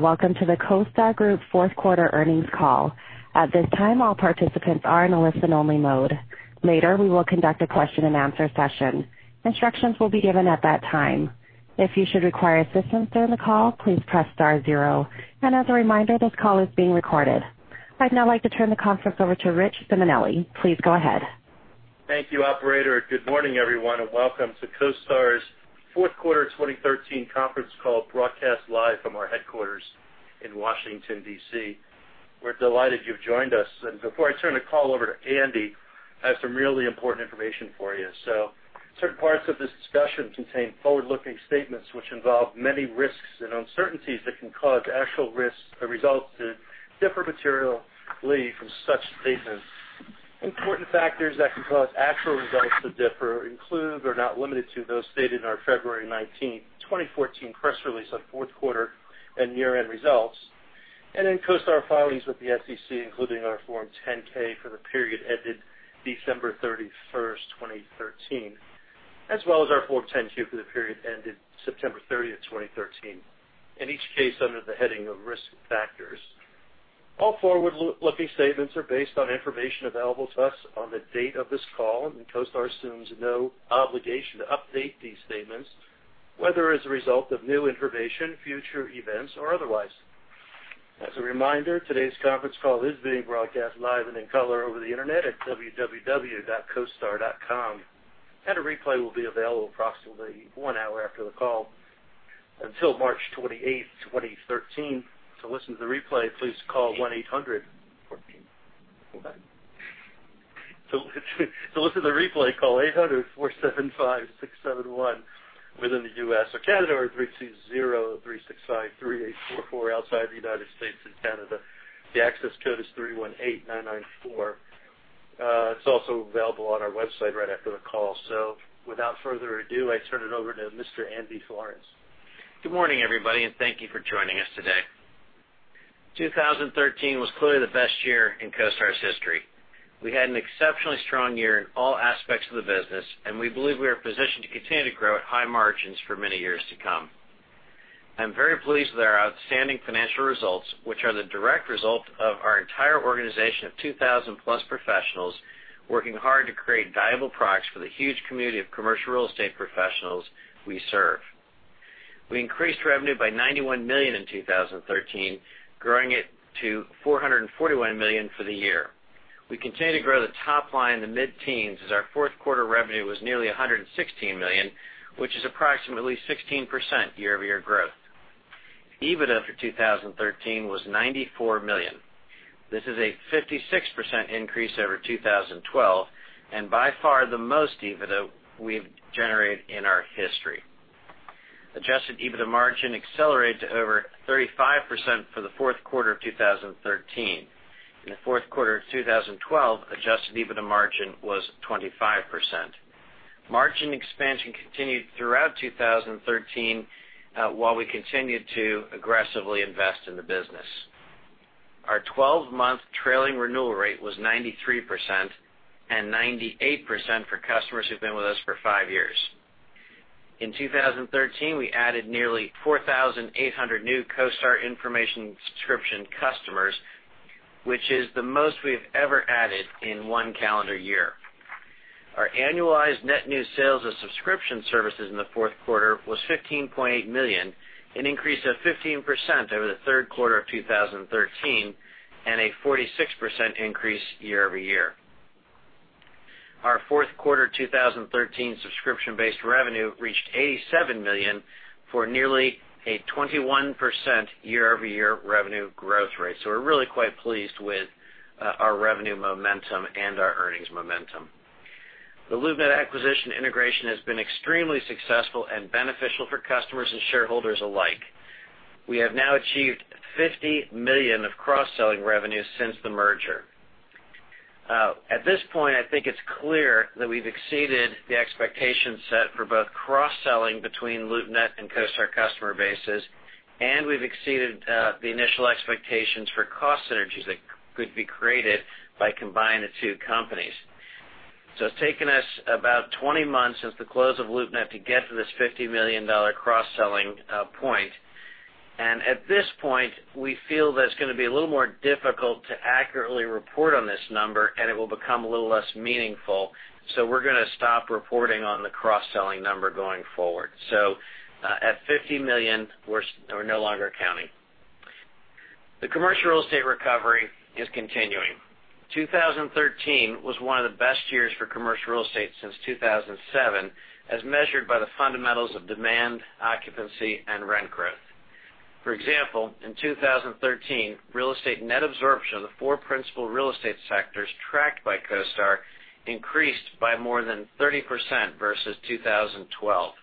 Welcome to the CoStar Group fourth quarter earnings call. At this time, all participants are in a listen-only mode. Later, we will conduct a question-and-answer session. Instructions will be given at that time. If you should require assistance during the call, please press star zero. As a reminder, this call is being recorded. I'd now like to turn the conference over to Richard Simonelli. Please go ahead. Thank you, operator. Good morning, everyone, and welcome to CoStar's fourth quarter 2013 conference call, broadcast live from our headquarters in Washington, D.C. We're delighted you've joined us. Before I turn the call over to Andy, I have some really important information for you. Certain parts of this discussion contain forward-looking statements which involve many risks and uncertainties that can cause actual risks or results to differ materially from such statements. Important factors that can cause actual results to differ include, but are not limited to, those stated in our February 19, 2014 press release on fourth quarter and year-end results, and in CoStar filings with the SEC, including our Form 10-K for the period ended December 31st, 2013, as well as our Form 10-Q for the period ended September 30th, 2013. In each case, under the heading of Risk Factors. All forward-looking statements are based on information available to us on the date of this call, and CoStar assumes no obligation to update these statements, whether as a result of new information, future events, or otherwise. As a reminder, today's conference call is being broadcast live and in color over the internet at www.costar.com. A replay will be available approximately one hour after the call until March 28th, 2013. To listen to the replay, call 800-475-671 within the U.S. or Canada, or 320-365-3844 outside the United States and Canada. The access code is 318994. It's also available on our website right after the call. Without further ado, I turn it over to Mr. Andy Florance. Good morning, everybody, and thank you for joining us today. 2013 was clearly the best year in CoStar's history. We had an exceptionally strong year in all aspects of the business, and we believe we are positioned to continue to grow at high margins for many years to come. I'm very pleased with our outstanding financial results, which are the direct result of our entire organization of 2,000-plus professionals working hard to create valuable products for the huge community of commercial real estate professionals we serve. We increased revenue by $91 million in 2013, growing it to $441 million for the year. We continue to grow the top line in the mid-teens as our fourth quarter revenue was nearly $116 million, which is approximately 16% year-over-year growth. EBITDA for 2013 was $94 million. This is a 56% increase over 2012, and by far the most EBITDA we've generated in our history. Adjusted EBITDA margin accelerated to over 35% for the fourth quarter of 2013. In the fourth quarter of 2012, adjusted EBITDA margin was 25%. Margin expansion continued throughout 2013 while we continued to aggressively invest in the business. Our 12-month trailing renewal rate was 93%, and 98% for customers who've been with us for five years. In 2013, we added nearly 4,800 new CoStar information subscription customers, which is the most we've ever added in one calendar year. Our annualized net new sales of subscription services in the fourth quarter was $15.8 million, an increase of 15% over the third quarter of 2013, and a 46% increase year-over-year. Our fourth quarter 2013 subscription-based revenue reached $87 million for nearly a 21% year-over-year revenue growth rate. We're really quite pleased with our revenue momentum and our earnings momentum. The LoopNet acquisition integration has been extremely successful and beneficial for customers and shareholders alike. We have now achieved $50 million of cross-selling revenue since the merger. At this point, I think it's clear that we've exceeded the expectations set for both cross-selling between LoopNet and CoStar customer bases, and we've exceeded the initial expectations for cost synergies that could be created by combining the two companies. It's taken us about 20 months since the close of LoopNet to get to this $50 million cross-selling point. At this point, we feel that it's going to be a little more difficult to accurately report on this number, and it will become a little less meaningful. We're going to stop reporting on the cross-selling number going forward. At $50 million, we're no longer counting. The commercial real estate recovery is continuing. 2013 was one of the best years for commercial real estate since 2007, as measured by the fundamentals of demand, occupancy, and rent growth. For example, in 2013, real estate net absorption of the four principal real estate sectors tracked by CoStar increased by more than 30% versus 2012.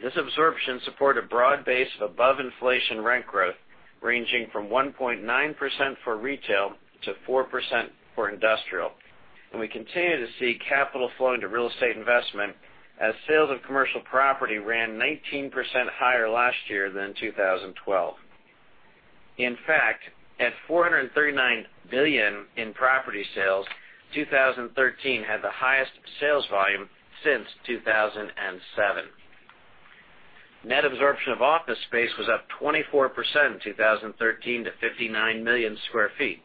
This absorption supported a broad base of above-inflation rent growth, ranging from 1.9% for retail to 4% for industrial. We continue to see capital flow into real estate investment as sales of commercial property ran 19% higher last year than in 2012. In fact, at $439 billion in property sales, 2013 had the highest sales volume since 2007. Net absorption of office space was up 24% in 2013 to 59 million sq ft.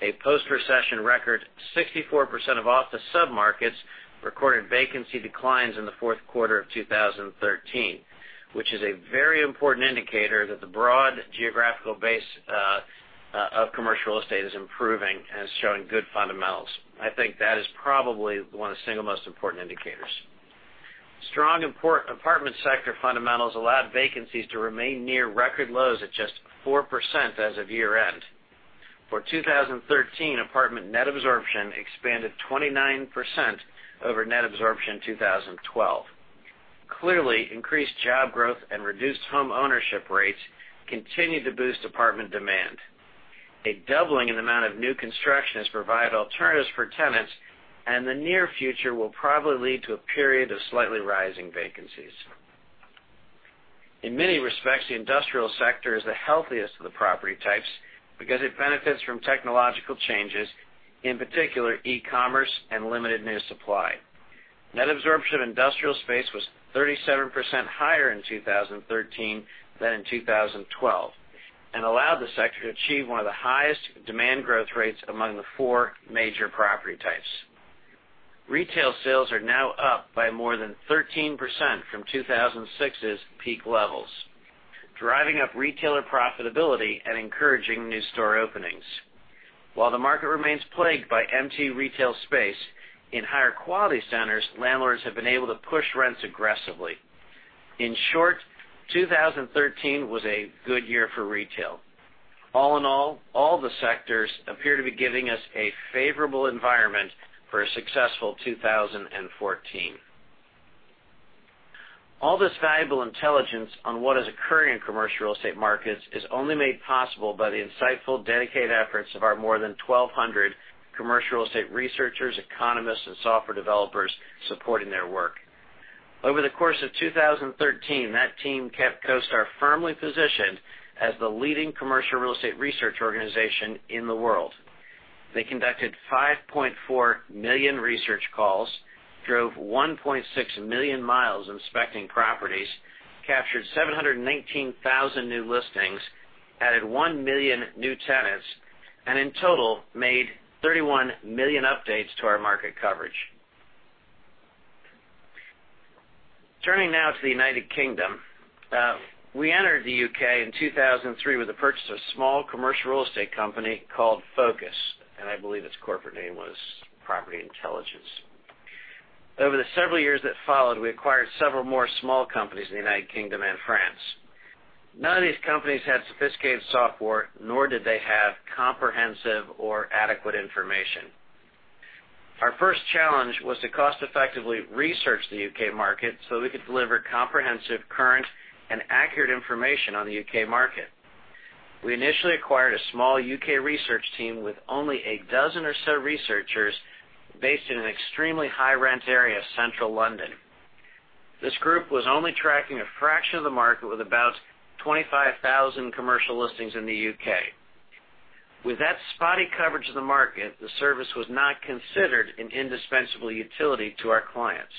A post-recession record, 64% of office sub-markets recorded vacancy declines in the fourth quarter of 2013, which is a very important indicator that the broad geographical base of commercial real estate is improving and is showing good fundamentals. I think that is probably one of the single most important indicators. Strong apartment sector fundamentals allowed vacancies to remain near record lows at just 4% as of year-end. For 2013, apartment net absorption expanded 29% over net absorption 2012. Clearly, increased job growth and reduced homeownership rates continue to boost apartment demand. A doubling in the amount of new construction has provided alternatives for tenants, and the near future will probably lead to a period of slightly rising vacancies. In many respects, the industrial sector is the healthiest of the property types because it benefits from technological changes, in particular e-commerce, and limited new supply. Net absorption of industrial space was 37% higher in 2013 than in 2012 and allowed the sector to achieve one of the highest demand growth rates among the four major property types. Retail sales are now up by more than 13% from 2006's peak levels, driving up retailer profitability and encouraging new store openings. While the market remains plagued by empty retail space, in higher quality centers, landlords have been able to push rents aggressively. In short, 2013 was a good year for retail. All in all the sectors appear to be giving us a favorable environment for a successful 2014. All this valuable intelligence on what is occurring in commercial real estate markets is only made possible by the insightful, dedicated efforts of our more than 1,200 commercial real estate researchers, economists, and software developers supporting their work. Over the course of 2013, that team kept CoStar firmly positioned as the leading commercial real estate research organization in the world. They conducted 5.4 million research calls, drove 1.6 million miles inspecting properties, captured 719,000 new listings, added one million new tenants, and in total, made 31 million updates to our market coverage. Turning now to the United Kingdom. We entered the U.K. in 2003 with the purchase of a small commercial real estate company called Focus, and I believe its corporate name was Property Intelligence. Over the several years that followed, we acquired several more small companies in the United Kingdom and France. None of these companies had sophisticated software, nor did they have comprehensive or adequate information. Our first challenge was to cost-effectively research the U.K. market so we could deliver comprehensive, current, and accurate information on the U.K. market. We initially acquired a small U.K. research team with only a dozen or so researchers based in an extremely high-rent area, Central London. This group was only tracking a fraction of the market with about 25,000 commercial listings in the U.K. With that spotty coverage of the market, the service was not considered an indispensable utility to our clients.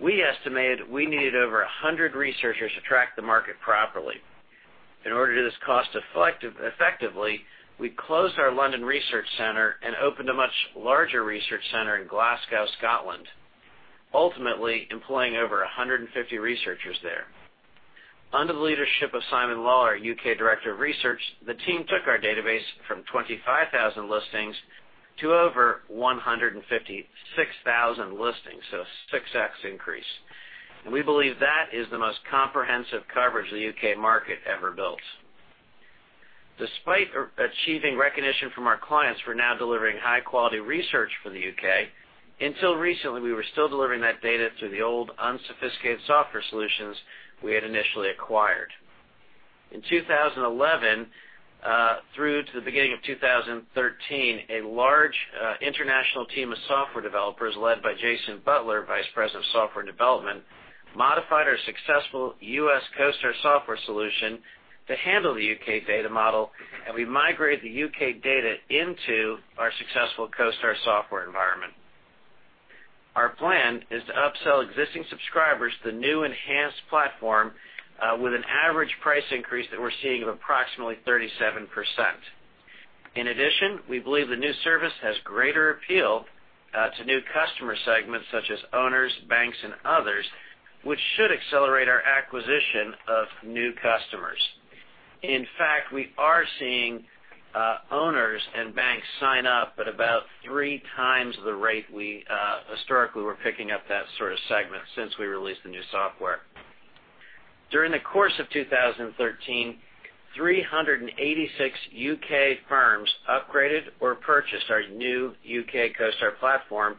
We estimated we needed over 100 researchers to track the market properly. In order to do this cost-effectively, we closed our London research center and opened a much larger research center in Glasgow, Scotland, ultimately employing over 150 researchers there. Under the leadership of Simon Law, our U.K. Director of Research, the team took our database from 25,000 listings to over 156,000 listings, so a 6x increase. We believe that is the most comprehensive coverage the U.K. market ever built. Despite achieving recognition from our clients for now delivering high-quality research for the U.K., until recently, we were still delivering that data through the old unsophisticated software solutions we had initially acquired. In 2011, through to the beginning of 2013, a large international team of software developers, led by Jason Butler, Vice President of Software Development, modified our successful U.S. CoStar software solution to handle the U.K. data model, and we migrated the U.K. data into our successful CoStar software environment. Our plan is to upsell existing subscribers the new enhanced platform with an average price increase that we're seeing of approximately 37%. In addition, we believe the new service has greater appeal to new customer segments such as owners, banks, and others, which should accelerate our acquisition of new customers. In fact, we are seeing owners and banks sign up at about three times the rate we historically were picking up that sort of segment since we released the new software. During the course of 2013, 386 U.K. firms upgraded or purchased our new U.K. CoStar platform,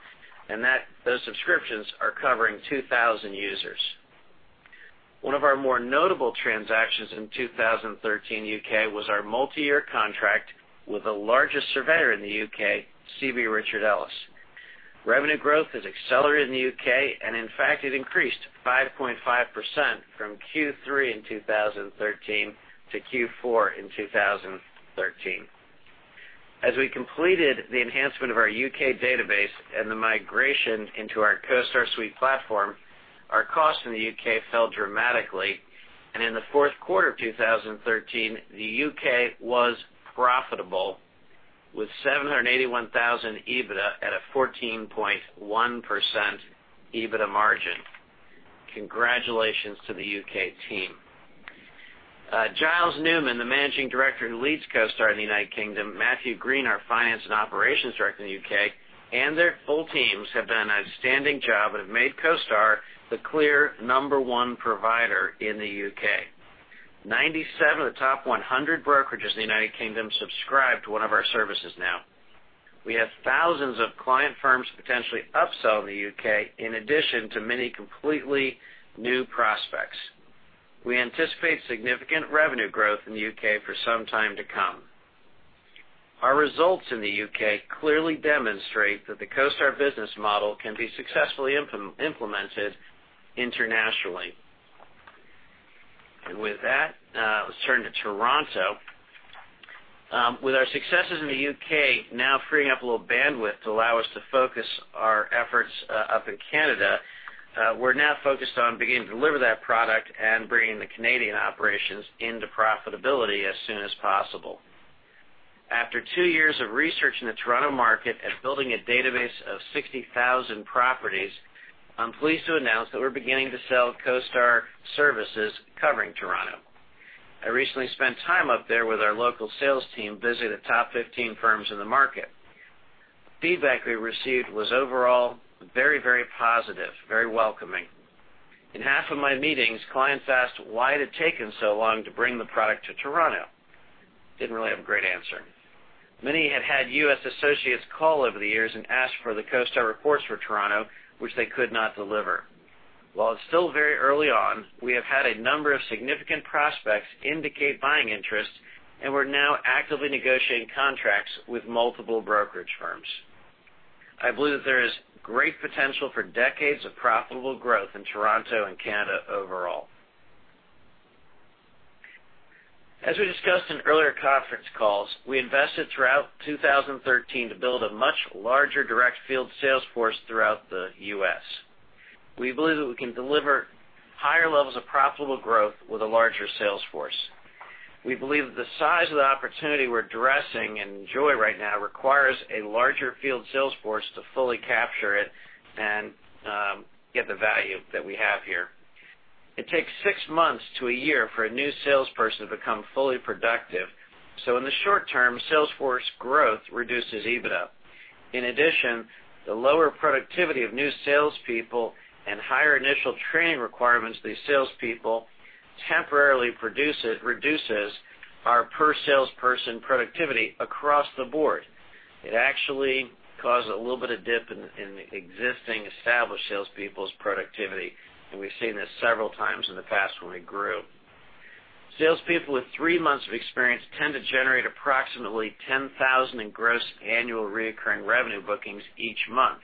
and those subscriptions are covering 2,000 users. One of our more notable transactions in 2013 U.K. was our multi-year contract with the largest surveyor in the U.K., CB Richard Ellis. Revenue growth has accelerated in the U.K., and in fact, it increased 5.5% from Q3 in 2013 to Q4 in 2013. As we completed the enhancement of our U.K. database and the migration into our CoStar Suite platform, our cost in the U.K. fell dramatically. In the fourth quarter of 2013, the U.K. was profitable with $781,000 EBITDA at a 14.1% EBITDA margin. Congratulations to the U.K. team. Giles Newman, the managing director who leads CoStar in the United Kingdom, Matthew Green, our finance and operations director in the U.K., and their full teams have done an outstanding job and have made CoStar the clear number one provider in the U.K. 97 of the top 100 brokerages in the United Kingdom subscribe to one of our services now. We have thousands of client firms potentially upselling in the U.K., in addition to many completely new prospects. We anticipate significant revenue growth in the U.K. for some time to come. Our results in the U.K. clearly demonstrate that the CoStar business model can be successfully implemented internationally. With that, let's turn to Toronto. With our successes in the U.K. now freeing up a little bandwidth to allow us to focus our efforts up in Canada, we're now focused on beginning to deliver that product and bringing the Canadian operations into profitability as soon as possible. After two years of research in the Toronto market and building a database of 60,000 properties, I'm pleased to announce that we're beginning to sell CoStar services covering Toronto. I recently spent time up there with our local sales team, visiting the top 15 firms in the market. The feedback we received was overall very positive, very welcoming. In half of my meetings, clients asked why it had taken so long to bring the product to Toronto. Didn't really have a great answer. Many had had U.S. associates call over the years and ask for the CoStar reports for Toronto, which they could not deliver. While it's still very early on, we have had a number of significant prospects indicate buying interest, and we're now actively negotiating contracts with multiple brokerage firms. I believe that there is great potential for decades of profitable growth in Toronto and Canada overall. We discussed in earlier conference calls, we invested throughout 2013 to build a much larger direct field sales force throughout the U.S. We believe that we can deliver higher levels of profitable growth with a larger sales force. We believe that the size of the opportunity we're addressing and enjoy right now requires a larger field sales force to fully capture it and get the value that we have here. It takes six months to a year for a new salesperson to become fully productive, so in the short term, sales force growth reduces EBITDA. In addition, the lower productivity of new salespeople and higher initial training requirements of these salespeople temporarily reduces our per-salesperson productivity across the board. It actually caused a little bit of dip in existing established salespeople's productivity, and we've seen this several times in the past when we grew. Salespeople with three months of experience tend to generate approximately $10,000 in gross annual recurring revenue bookings each month.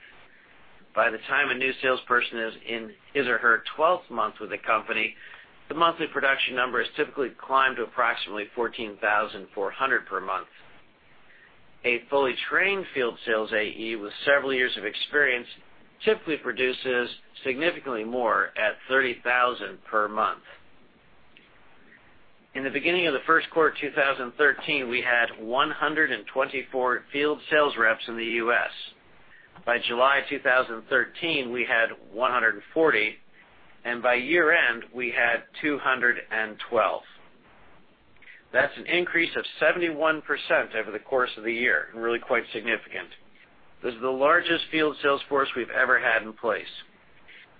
By the time a new salesperson is in his or her 12th month with a company, the monthly production number has typically climbed to approximately $14,400 per month. A fully trained field sales AE with several years of experience typically produces significantly more, at $30,000 per month. In the beginning of the first quarter of 2013, we had 124 field sales reps in the U.S. By July 2013, we had 140, and by year-end, we had 212. That's an increase of 71% over the course of the year, really quite significant. This is the largest field sales force we've ever had in place.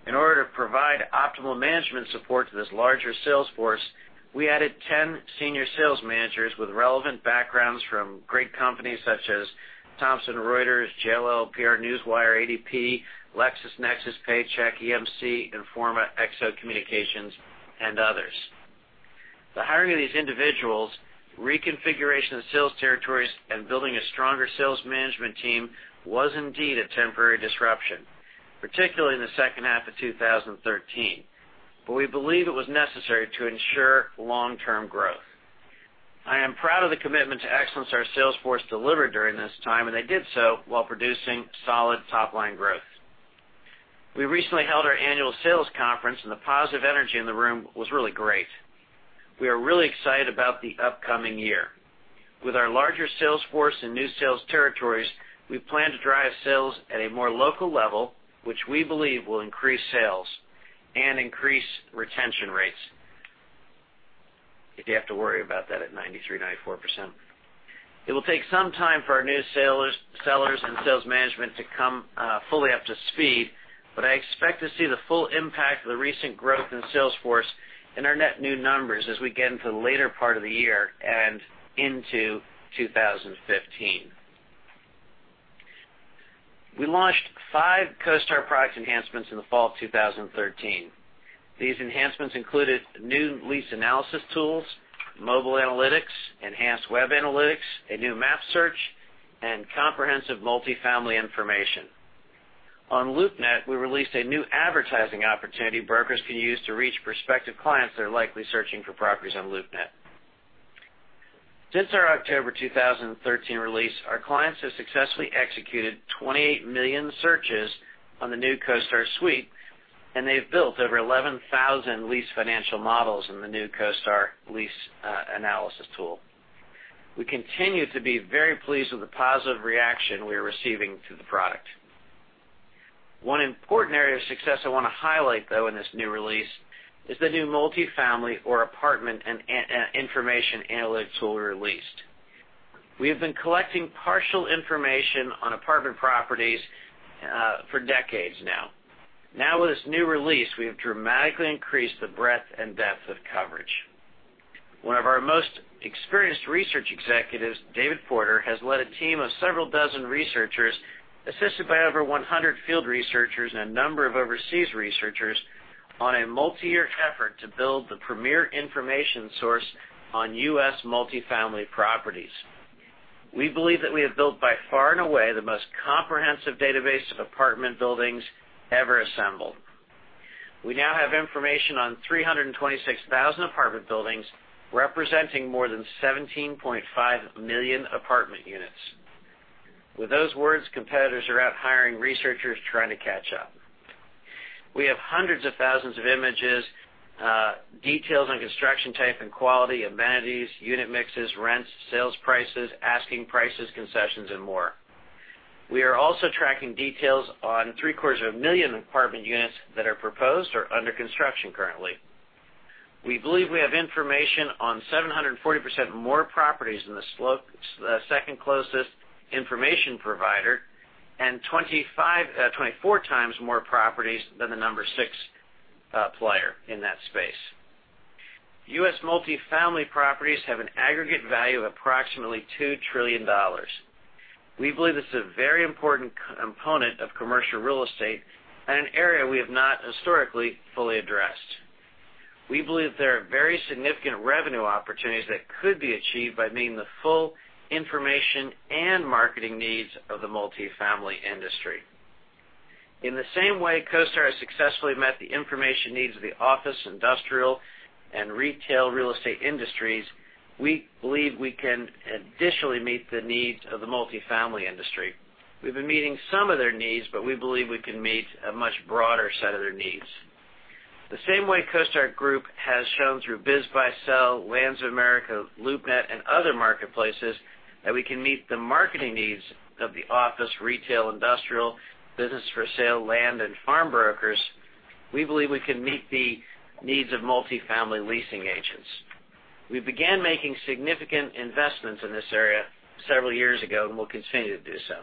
In order to provide optimal management support to this larger sales force, we added 10 senior sales managers with relevant backgrounds from great companies such as Thomson Reuters, JLL, PR Newswire, ADP, LexisNexis, Paychex, EMC, Informa, XO Communications, and others. The hiring of these individuals, reconfiguration of sales territories, and building a stronger sales management team was indeed a temporary disruption, particularly in the second half of 2013. We believe it was necessary to ensure long-term growth. I am proud of the commitment to excellence our sales force delivered during this time, and they did so while producing solid top-line growth. We recently held our annual sales conference, and the positive energy in the room was really great. We are really excited about the upcoming year. With our larger sales force and new sales territories, we plan to drive sales at a more local level, which we believe will increase sales and increase retention rates. If you have to worry about that at 93%, 94%. It will take some time for our new sellers and sales management to come fully up to speed, but I expect to see the full impact of the recent growth in sales force in our net new numbers as we get into the later part of the year and into 2015. We launched five CoStar product enhancements in the fall of 2013. These enhancements included new lease analysis tools, mobile analytics, enhanced web analytics, a new map search, and comprehensive multifamily information. On LoopNet, we released a new advertising opportunity brokers can use to reach prospective clients that are likely searching for properties on LoopNet. Since our October 2013 release, our clients have successfully executed 28 million searches on the new CoStar Suite, and they've built over 11,000 lease financial models in the new CoStar lease analysis tool. We continue to be very pleased with the positive reaction we are receiving to the product. One important area of success I want to highlight, though, in this new release, is the new multifamily or apartment information analytics tool we released. We have been collecting partial information on apartment properties for decades now. Now with this new release, we have dramatically increased the breadth and depth of coverage. One of our most experienced research executives, David Porter, has led a team of several dozen researchers, assisted by over 100 field researchers and a number of overseas researchers, on a multi-year effort to build the premier information source on U.S. multifamily properties. We believe that we have built by far and away the most comprehensive database of apartment buildings ever assembled. We now have information on 326,000 apartment buildings, representing more than 17.5 million apartment units. With those words, competitors are out hiring researchers trying to catch up. We have hundreds of thousands of images, details on construction type and quality, amenities, unit mixes, rents, sales prices, asking prices, concessions, and more. We are also tracking details on three-quarters of a million apartment units that are proposed or under construction currently. We believe we have information on 740% more properties than the second closest information provider and 24 times more properties than the number 6 player in that space. U.S. multifamily properties have an aggregate value of approximately $2 trillion. We believe this is a very important component of commercial real estate and an area we have not historically fully addressed. We believe there are very significant revenue opportunities that could be achieved by meeting the full information and marketing needs of the multifamily industry. In the same way CoStar has successfully met the information needs of the office, industrial, and retail real estate industries, we believe we can additionally meet the needs of the multifamily industry. We've been meeting some of their needs, but we believe we can meet a much broader set of their needs. The same way CoStar Group has shown through BizBuySell, Lands of America, LoopNet, and other marketplaces that we can meet the marketing needs of the office, retail, industrial, business for sale, land, and farm brokers, we believe we can meet the needs of multifamily leasing agents. We began making significant investments in this area several years ago, and we'll continue to do so.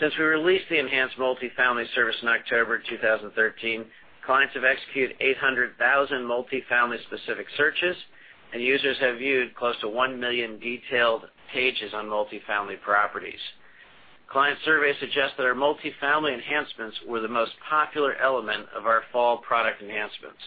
Since we released the enhanced multifamily service in October 2013, clients have executed 800,000 multifamily-specific searches, and users have viewed close to 1 million detailed pages on multifamily properties. Client surveys suggest that our multifamily enhancements were the most popular element of our fall product enhancements.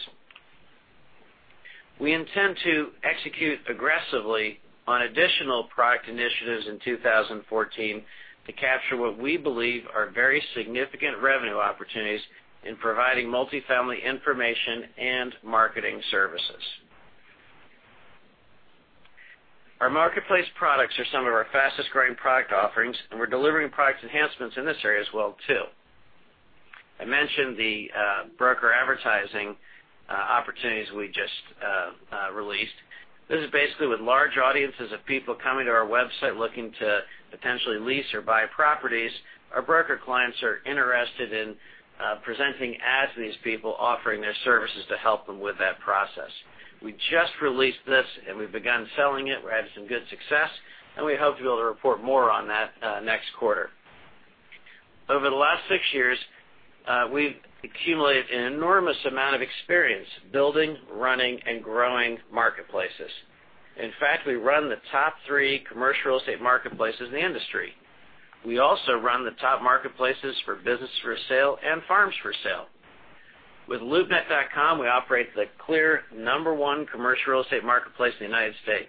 We intend to execute aggressively on additional product initiatives in 2014 to capture what we believe are very significant revenue opportunities in providing multifamily information and marketing services. Our marketplace products are some of our fastest-growing product offerings, and we're delivering product enhancements in this area as well, too. I mentioned the broker advertising opportunities we just released. This is basically with large audiences of people coming to our website looking to potentially lease or buy properties. Our broker clients are interested in presenting ads to these people, offering their services to help them with that process. We just released this, and we've begun selling it. We're having some good success, and we hope to be able to report more on that next quarter. Over the last six years, we've accumulated an enormous amount of experience building, running, and growing marketplaces. In fact, we run the top three commercial real estate marketplaces in the industry. We also run the top marketplaces for business for sale and farms for sale. With loopnet.com, we operate the clear number 1 commercial real estate marketplace in the U.S.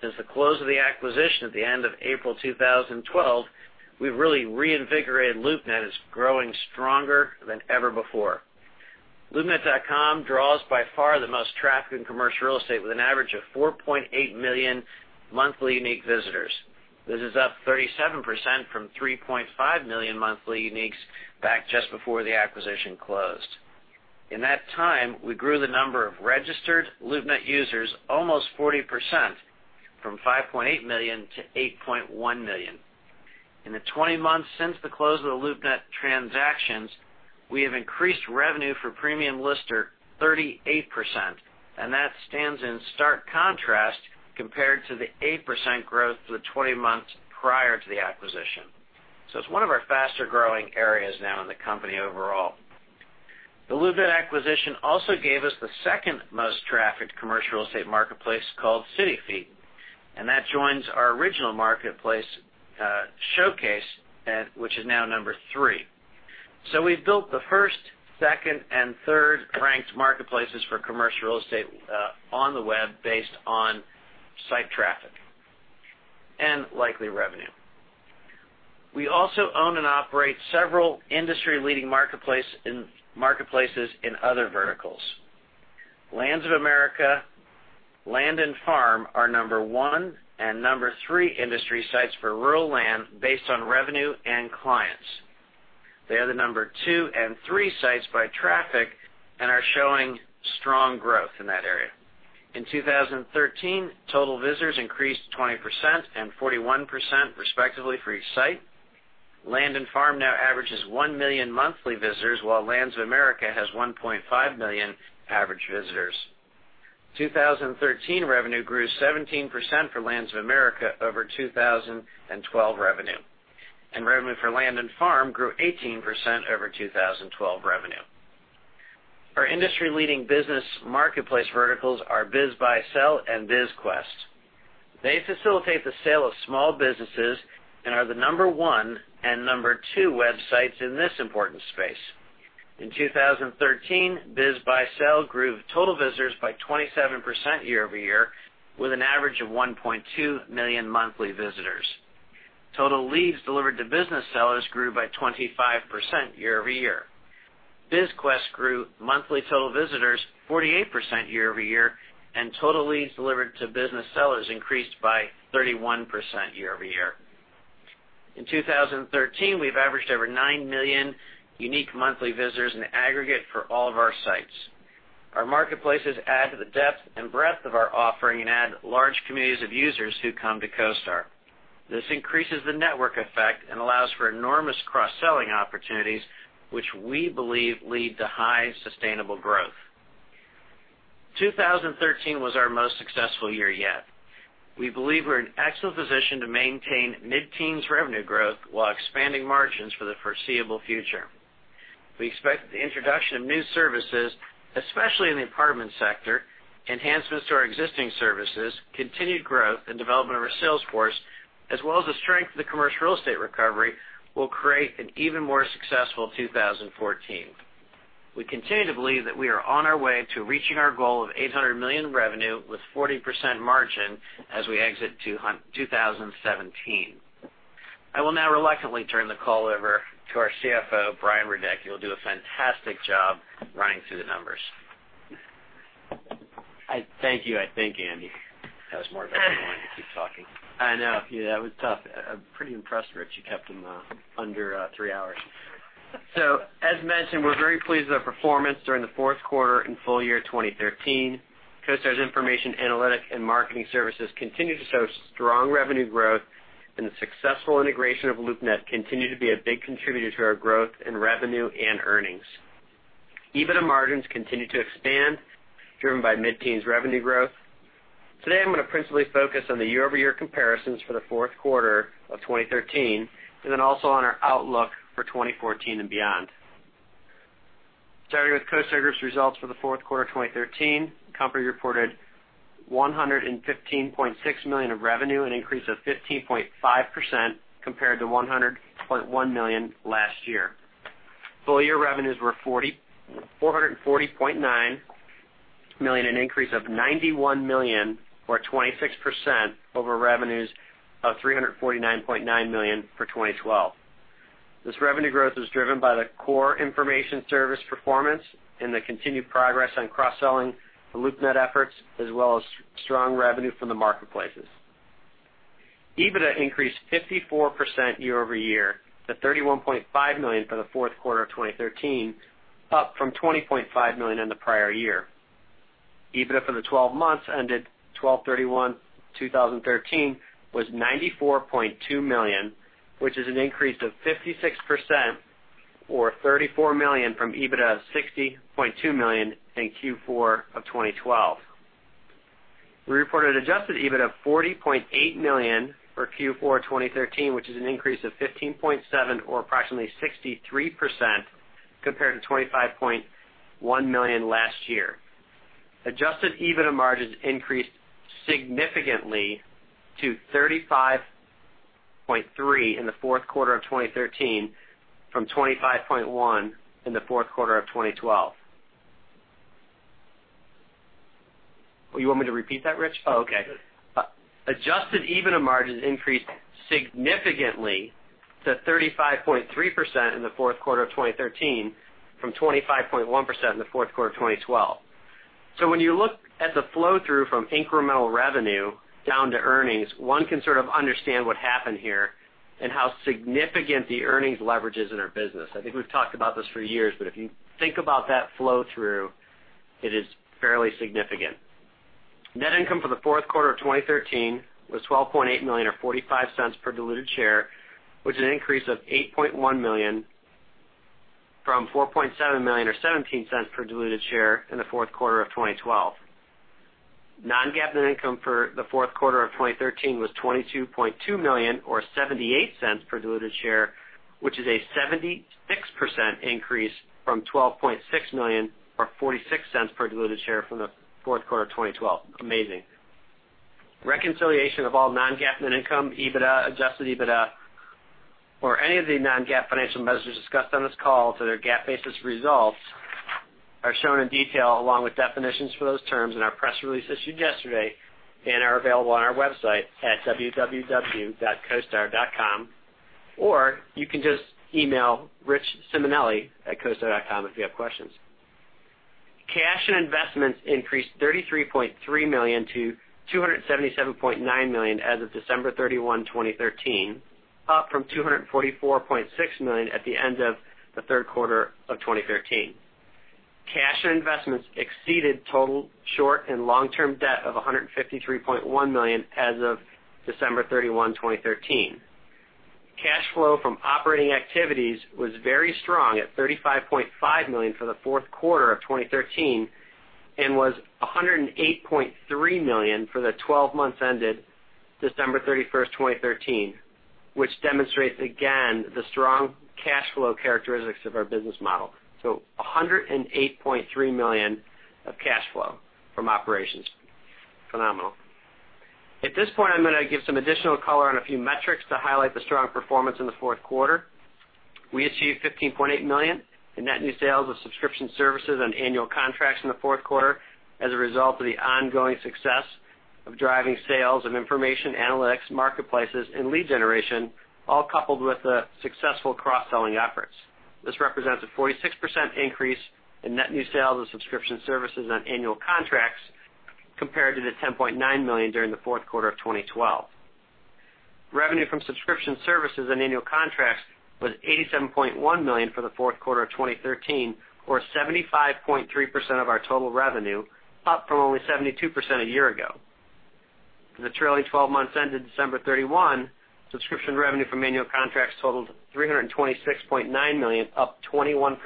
Since the close of the acquisition at the end of April 2012, we've really reinvigorated LoopNet. It's growing stronger than ever before. loopnet.com draws by far the most traffic in commercial real estate, with an average of 4.8 million monthly unique visitors. This is up 37% from 3.5 million monthly uniques back just before the acquisition closed. In that time, we grew the number of registered LoopNet users almost 40%, from 5.8 million to 8.1 million. In the 20 months since the close of the LoopNet transactions, we have increased revenue for premium lister 38%, and that stands in stark contrast compared to the 8% growth for the 20 months prior to the acquisition. It's one of our faster-growing areas now in the company overall. The LoopNet acquisition also gave us the second most trafficked commercial real estate marketplace called CityFeet. That joins our original marketplace, Showcase, which is now number 3. We've built the first, second, and third-ranked marketplaces for commercial real estate on the web based on site traffic and likely revenue. We also own and operate several industry-leading marketplaces in other verticals. Lands of America, Land and Farm are number 1 and number 3 industry sites for rural land based on revenue and clients. They are the number 2 and 3 sites by traffic and are showing strong growth in that area. In 2013, total visitors increased 20% and 41% respectively for each site. Land and Farm now averages 1 million monthly visitors, while Lands of America has 1.5 million average visitors. 2013 revenue grew 17% for Lands of America over 2012 revenue, and revenue for Land and Farm grew 18% over 2012 revenue. Our industry-leading business marketplace verticals are BizBuySell and BizQuest. They facilitate the sale of small businesses and are the number 1 and number 2 websites in this important space. In 2013, BizBuySell grew total visitors by 27% year-over-year, with an average of 1.2 million monthly visitors. Total leads delivered to business sellers grew by 25% year-over-year. BizQuest grew monthly total visitors 48% year-over-year, and total leads delivered to business sellers increased by 31% year-over-year. In 2013, we've averaged over 9 million unique monthly visitors in aggregate for all of our sites. Our marketplaces add to the depth and breadth of our offering and add large communities of users who come to CoStar. This increases the network effect and allows for enormous cross-selling opportunities, which we believe lead to high sustainable growth. 2013 was our most successful year yet. We believe we're in excellent position to maintain mid-teens revenue growth while expanding margins for the foreseeable future. We expect that the introduction of new services, especially in the apartment sector, enhancements to our existing services, continued growth, and development of our sales force, as well as the strength of the commercial real estate recovery, will create an even more successful 2014. We continue to believe that we are on our way to reaching our goal of $800 million in revenue with 40% margin as we exit 2017. I will now reluctantly turn the call over to our CFO, Brian Radecki, who will do a fantastic job running through the numbers. Thank you. I think, Andy. That was more of a warning to keep talking. I know. Yeah, that was tough. I'm pretty impressed, Rich, you kept him under three hours. As mentioned, we're very pleased with our performance during the fourth quarter and full year 2013. CoStar's information analytics and marketing services continue to show strong revenue growth, and the successful integration of LoopNet continue to be a big contributor to our growth in revenue and earnings. EBITDA margins continue to expand, driven by mid-teens revenue growth. Today, I'm going to principally focus on the year-over-year comparisons for the fourth quarter of 2013, and then also on our outlook for 2014 and beyond. Starting with CoStar Group's results for the fourth quarter 2013, the company reported $115.6 million of revenue, an increase of 15.5% compared to $100.1 million last year. Full year revenues were $440.9 million, an increase of $91 million or 26% over revenues of $349.9 million for 2012. This revenue growth is driven by the core information service performance and the continued progress on cross-selling the LoopNet efforts, as well as strong revenue from the marketplaces. EBITDA increased 54% year-over-year to $31.5 million for the fourth quarter of 2013, up from $20.5 million in the prior year. EBITDA for the 12 months ended 12/31/2013 was $94.2 million, which is an increase of 56% or $34 million from EBITDA of $60.2 million in Q4 of 2012. We reported adjusted EBITDA of $40.8 million for Q4 2013, which is an increase of $15.7 million or approximately 63% compared to $25.1 million last year. Adjusted EBITDA margins increased significantly to 35.3% in the fourth quarter of 2013 from 25.1% in the fourth quarter of 2012. You want me to repeat that, Rich? Oh, okay. Adjusted EBITDA margins increased significantly to 35.3% in the fourth quarter of 2013 from 25.1% in the fourth quarter of 2012. When you look at the flow-through from incremental revenue down to earnings, one can sort of understand what happened here and how significant the earnings leverage is in our business. I think we've talked about this for years, but if you think about that flow-through, it is fairly significant. Net income for the fourth quarter of 2013 was $12.8 million, or $0.45 per diluted share, which is an increase of $8.1 million from $4.7 million or $0.17 per diluted share in the fourth quarter of 2012. Non-GAAP net income for the fourth quarter of 2013 was $22.2 million or $0.78 per diluted share which is a 76% increase from $12.6 million or $0.46 per diluted share from the fourth quarter of 2012. Amazing. Reconciliation of all non-GAAP net income, EBITDA, adjusted EBITDA, or any of the non-GAAP financial measures discussed on this call to their GAAP-basis results are shown in detail, along with definitions for those terms in our press release issued yesterday and are available on our website at www.costar.com, or you can just email rsimonelli@costar.com if you have questions. Cash and investments increased $33.3 million to $277.9 million as of December 31, 2013, up from $244.6 million at the end of the third quarter of 2013. Cash and investments exceeded total short and long-term debt of $153.1 million as of December 31, 2013. Cash flow from operating activities was very strong at $35.5 million for the fourth quarter of 2013 and was $108.3 million for the 12 months ended December 31st, 2013, which demonstrates again the strong cash flow characteristics of our business model. $108.3 million of cash flow from operations. Phenomenal. At this point, I'm going to give some additional color on a few metrics to highlight the strong performance in the fourth quarter. We achieved $15.8 million in net new sales of subscription services on annual contracts in the fourth quarter as a result of the ongoing success of driving sales of information analytics, marketplaces, and lead generation, all coupled with the successful cross-selling efforts. This represents a 46% increase in net new sales of subscription services on annual contracts compared to the $10.9 million during the fourth quarter of 2012. Revenue from subscription services on annual contracts was $87.1 million for the fourth quarter of 2013, or 75.3% of our total revenue, up from only 72% a year ago. For the trailing 12 months ended December 31, subscription revenue from annual contracts totaled $326.9 million, up 21%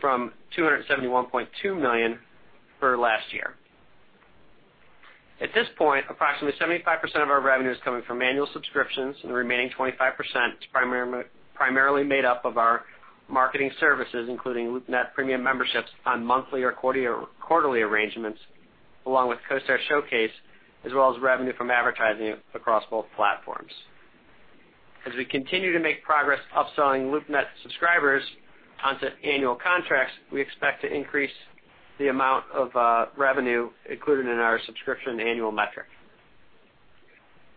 from $271.2 million for last year. At this point, approximately 75% of our revenue is coming from annual subscriptions, and the remaining 25% is primarily made up of our marketing services, including LoopNet premium memberships on monthly or quarterly arrangements, along with CoStar Showcase, as well as revenue from advertising across both platforms. As we continue to make progress upselling LoopNet subscribers onto annual contracts, we expect to increase the amount of revenue included in our subscription annual metric.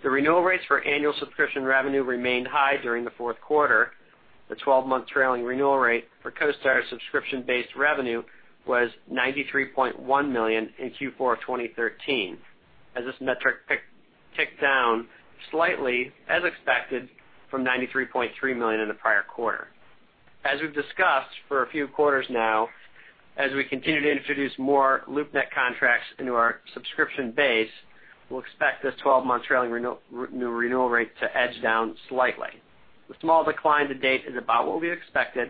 The renewal rates for annual subscription revenue remained high during the fourth quarter. The 12-month trailing renewal rate for CoStar subscription-based revenue was 93.1% in Q4 of 2013, as this metric ticked down slightly, as expected, from 93.3% in the prior quarter. As we've discussed for a few quarters now, as we continue to introduce more LoopNet contracts into our subscription base, we'll expect this 12-month trailing renewal rate to edge down slightly. The small decline to date is about what we expected,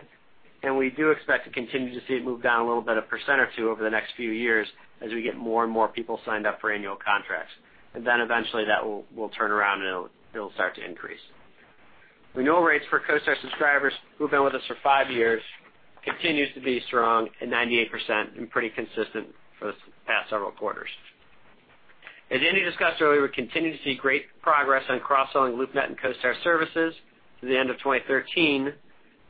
and we do expect to continue to see it move down a little bit, 1% or 2%, over the next few years as we get more and more people signed up for annual contracts. Eventually, that will turn around, and it'll start to increase. Renewal rates for CoStar subscribers who've been with us for five years continues to be strong at 98% and pretty consistent for the past several quarters. As Andy discussed earlier, we continue to see great progress on cross-selling LoopNet and CoStar services. Through the end of 2013,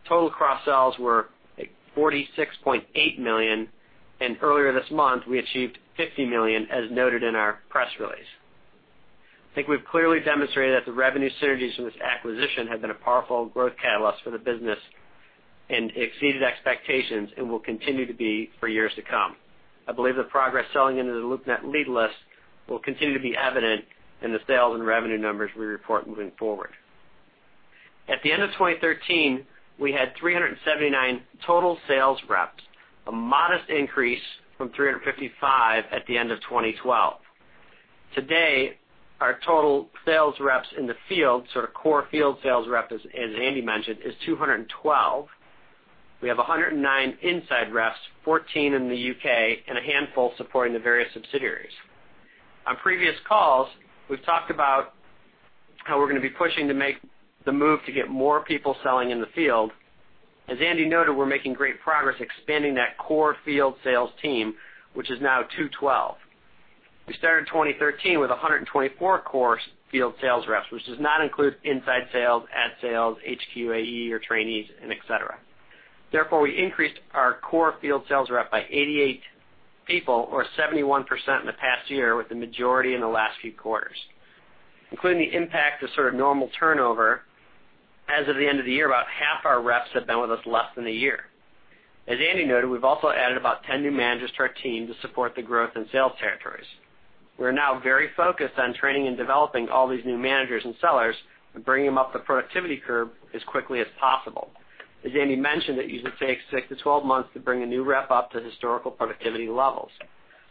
total cross-sells were at $46.8 million. Earlier this month, we achieved $50 million, as noted in our press release. I think we've clearly demonstrated that the revenue synergies from this acquisition have been a powerful growth catalyst for the business and exceeded expectations and will continue to be for years to come. I believe the progress selling into the LoopNet lead list will continue to be evident in the sales and revenue numbers we report moving forward. At the end of 2013, we had 379 total sales reps, a modest increase from 355 at the end of 2012. Today, our total sales reps in the field, sort of core field sales rep, as Andy mentioned, is 212. We have 109 inside reps, 14 in the U.K., and a handful supporting the various subsidiaries. On previous calls, we've talked about how we're going to be pushing to make the move to get more people selling in the field. As Andy noted, we're making great progress expanding that core field sales team, which is now 212. We started 2013 with 124 core field sales reps, which does not include inside sales, ad sales, HQ AE, or trainees, et cetera. We increased our core field sales rep by 88 people or 71% in the past year, with the majority in the last few quarters. Including the impact of sort of normal turnover, as of the end of the year, about half our reps have been with us less than a year. As Andy noted, we've also added about 10 new managers to our team to support the growth in sales territories. We're now very focused on training and developing all these new managers and sellers and bringing them up the productivity curve as quickly as possible. As Andy mentioned, it usually takes 6 to 12 months to bring a new rep up to historical productivity levels.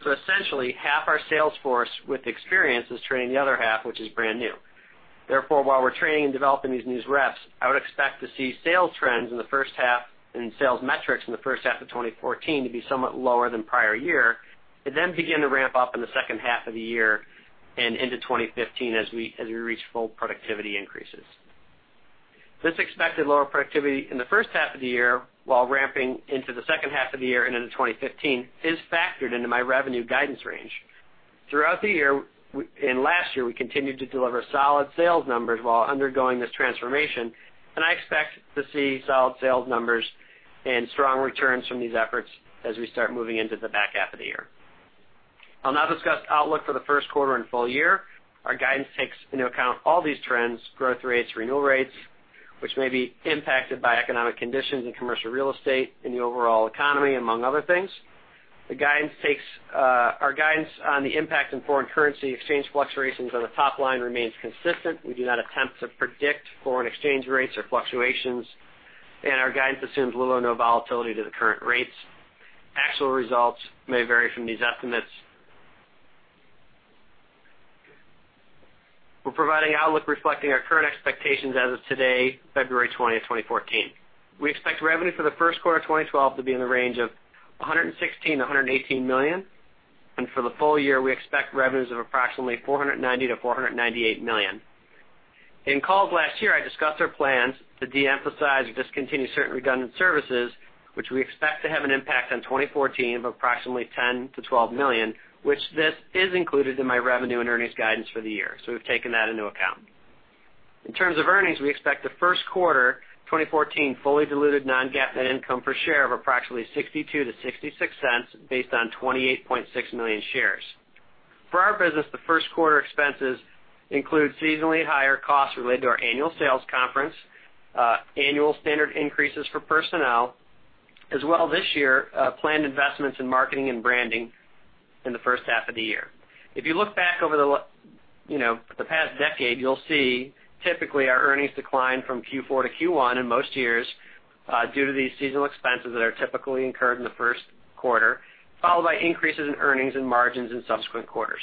Essentially, half our sales force with experience is training the other half, which is brand new. While we're training and developing these new reps, I would expect to see sales trends in the first half, and sales metrics in the first half of 2014 to be somewhat lower than prior year, then begin to ramp up in the second half of the year and into 2015 as we reach full productivity increases. This expected lower productivity in the first half of the year, while ramping into the second half of the year and into 2015, is factored into my revenue guidance range. Throughout the year, last year, we continued to deliver solid sales numbers while undergoing this transformation. I expect to see solid sales numbers and strong returns from these efforts as we start moving into the back half of the year. I'll now discuss outlook for the first quarter and full year. Our guidance takes into account all these trends, growth rates, renewal rates, which may be impacted by economic conditions in commercial real estate and the overall economy, among other things. Our guidance on the impact in foreign currency exchange fluctuations on the top line remains consistent. We do not attempt to predict foreign exchange rates or fluctuations, and our guidance assumes low or no volatility to the current rates. Actual results may vary from these estimates. We're providing outlook reflecting our current expectations as of today, February 20, 2014. We expect revenue for the first quarter 2014 to be in the range of $116 million-$118 million. For the full year, we expect revenues of approximately $490 million-$498 million. In calls last year, I discussed our plans to de-emphasize or discontinue certain redundant services, which we expect to have an impact on 2014 of approximately $10 million-$12 million, which this is included in my revenue and earnings guidance for the year. We've taken that into account. In terms of earnings, we expect the first quarter 2014 fully diluted non-GAAP net income per share of approximately $0.62-$0.66 based on 28.6 million shares. For our business, the first quarter expenses include seasonally higher costs related to our annual sales conference, annual standard increases for personnel, as well, this year, planned investments in marketing and branding in the first half of the year. If you look back over the past decade, you'll see typically our earnings decline from Q4 to Q1 in most years, due to these seasonal expenses that are typically incurred in the first quarter, followed by increases in earnings and margins in subsequent quarters.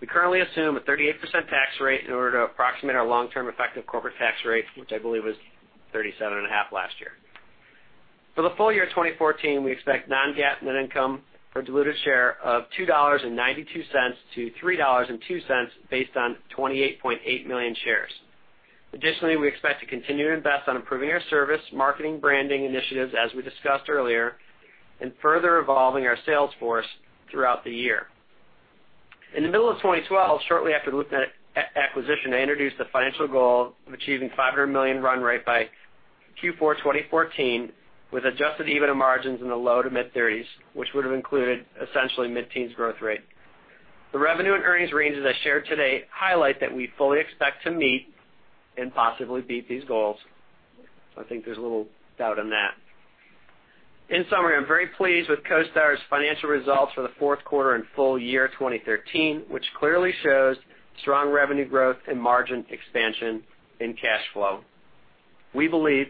We currently assume a 38% tax rate in order to approximate our long-term effective corporate tax rate, which I believe was 37.5% last year. For the full year 2014, we expect non-GAAP net income per diluted share of $2.92-$3.02 based on 28.8 million shares. Additionally, we expect to continue to invest on improving our service, marketing, branding initiatives, as we discussed earlier, and further evolving our sales force throughout the year. In the middle of 2012, shortly after the LoopNet acquisition, I introduced the financial goal of achieving $500 million run rate by Q4 2014, with adjusted EBITDA margins in the low to mid-30s, which would've included essentially mid-teens growth rate. The revenue and earnings ranges I shared today highlight that we fully expect to meet and possibly beat these goals. I think there's little doubt on that. In summary, I'm very pleased with CoStar's financial results for the fourth quarter and full year 2013, which clearly shows strong revenue growth and margin expansion in cash flow. We believe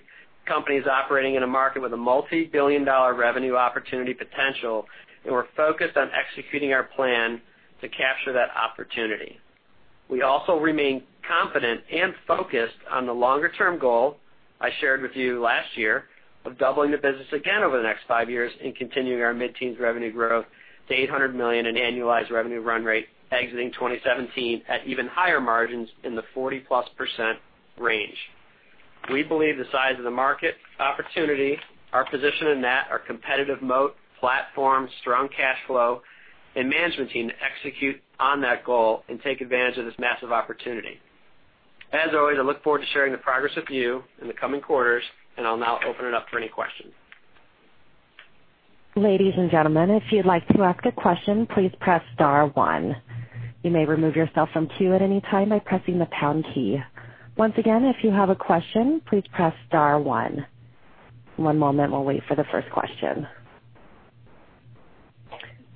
the company is operating in a market with a multi-billion dollar revenue opportunity potential. We're focused on executing our plan to capture that opportunity. We also remain confident and focused on the longer-term goal I shared with you last year of doubling the business again over the next 5 years and continuing our mid-teens revenue growth to $800 million in annualized revenue run rate exiting 2017 at even higher margins in the 40%+ range. We believe the size of the market opportunity, our position in that, our competitive moat, platform, strong cash flow, and management team to execute on that goal and take advantage of this massive opportunity. As always, I look forward to sharing the progress with you in the coming quarters, and I'll now open it up for any questions. Ladies and gentlemen, if you'd like to ask a question, please press star one. You may remove yourself from queue at any time by pressing the pound key. Once again, if you have a question, please press star one. One moment. We'll wait for the first question.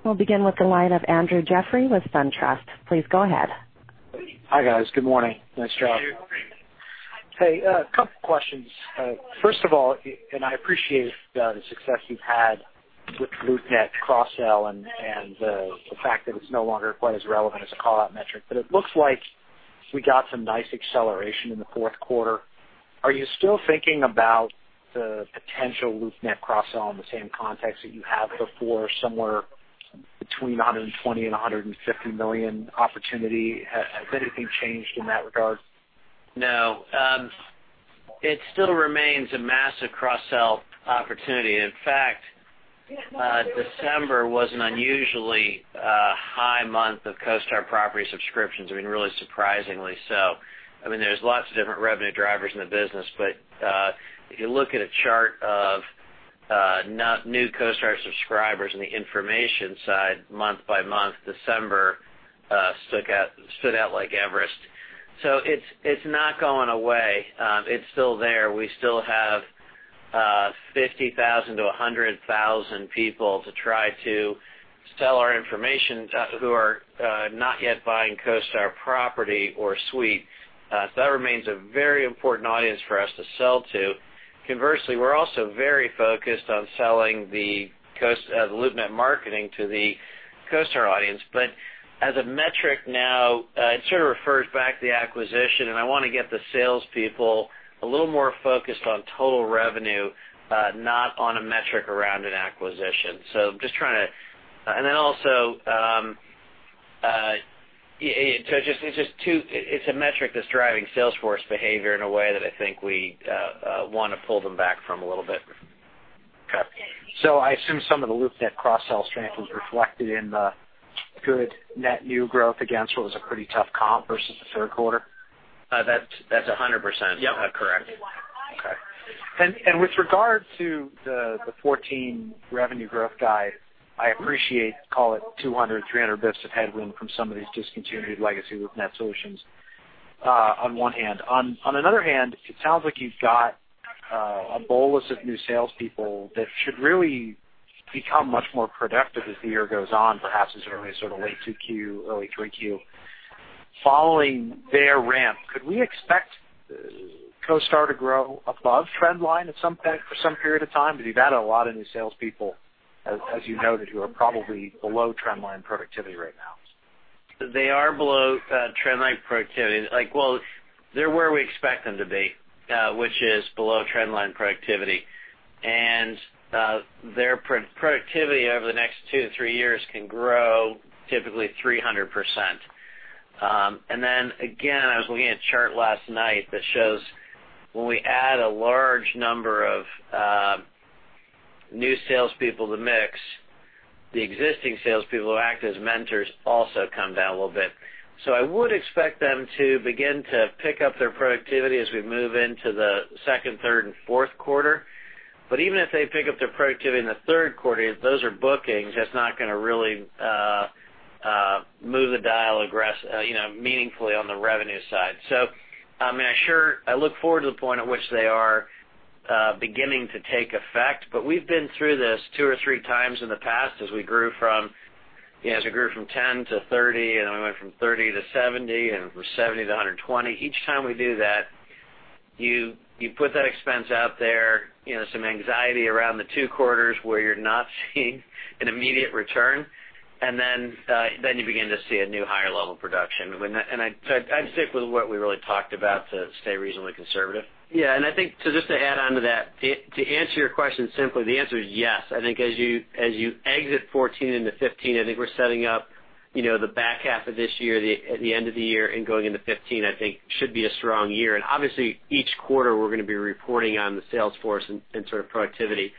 We'll begin with the line of Andrew Jeffrey with SunTrust. Please go ahead. Hi, guys. Good morning. Nice job. Andrew, good morning. Hey, a couple questions. First of all, I appreciate the success you've had with LoopNet cross-sell and the fact that it's no longer quite as relevant as a call-out metric, but it looks like we got some nice acceleration in the fourth quarter. Are you still thinking about the potential LoopNet cross-sell in the same context that you have before, somewhere between $120 million and $150 million opportunity? Has anything changed in that regard? No. It still remains a massive cross-sell opportunity. In fact, December was an unusually high month of CoStar Property subscriptions. Really surprisingly so. If you look at a chart of net new CoStar subscribers in the information side month by month, December stood out like Everest. It's not going away. It's still there. We still have 50,000 to 100,000 people to try to sell our information to who are not yet buying CoStar Property or CoStar Suite. That remains a very important audience for us to sell to. Conversely, we're also very focused on selling the LoopNet marketing to the CoStar audience. As a metric now, it sort of refers back to the acquisition, and I want to get the salespeople a little more focused on total revenue, not on a metric around an acquisition. Also It's a metric that's driving sales force behavior in a way that I think we want to pull them back from a little bit. Okay. I assume some of the LoopNet cross-sell strength was reflected in the good net new growth against what was a pretty tough comp versus the third quarter. That's 100% correct. Okay. With regard to the 2014 revenue growth guide, I appreciate, call it 200, 300 basis of headwind from some of these discontinued legacy [with Net Solutions] on one hand. Another hand, it sounds like you've got a bolus of new salespeople that should really become much more productive as the year goes on, perhaps as early as sort of late Q2, early Q3. Following their ramp, could we expect CoStar to grow above trend line for some period of time? You've added a lot of new salespeople, as you know, that you are probably below trend line productivity right now. They are below trend line productivity. Well, they're where we expect them to be, which is below trend line productivity. Their productivity over the next two to three years can grow typically 300%. Then, again, I was looking at a chart last night that shows when we add a large number of new salespeople to mix, the existing salespeople who act as mentors also come down a little bit. I would expect them to begin to pick up their productivity as we move into the second, third, and fourth quarter. Even if they pick up their productivity in the third quarter, those are bookings. That's not going to really move the dial meaningfully on the revenue side. I look forward to the point at which they are beginning to take effect. We've been through this two or three times in the past as we grew from 10 to 30, we went from 30 to 70, and from 70 to 120. Each time we do that, you put that expense out there, some anxiety around the two quarters where you're not seeing an immediate return, then you begin to see a new higher level production. I'd stick with what we really talked about to stay reasonably conservative. Yeah. I think, just to add on to that, to answer your question simply, the answer is yes. I think as you exit 2014 into 2015, I think we're setting up the back half of this year, at the end of the year and going into 2015, I think should be a strong year. Obviously each quarter we're going to be reporting on the sales forces and sort of productivity.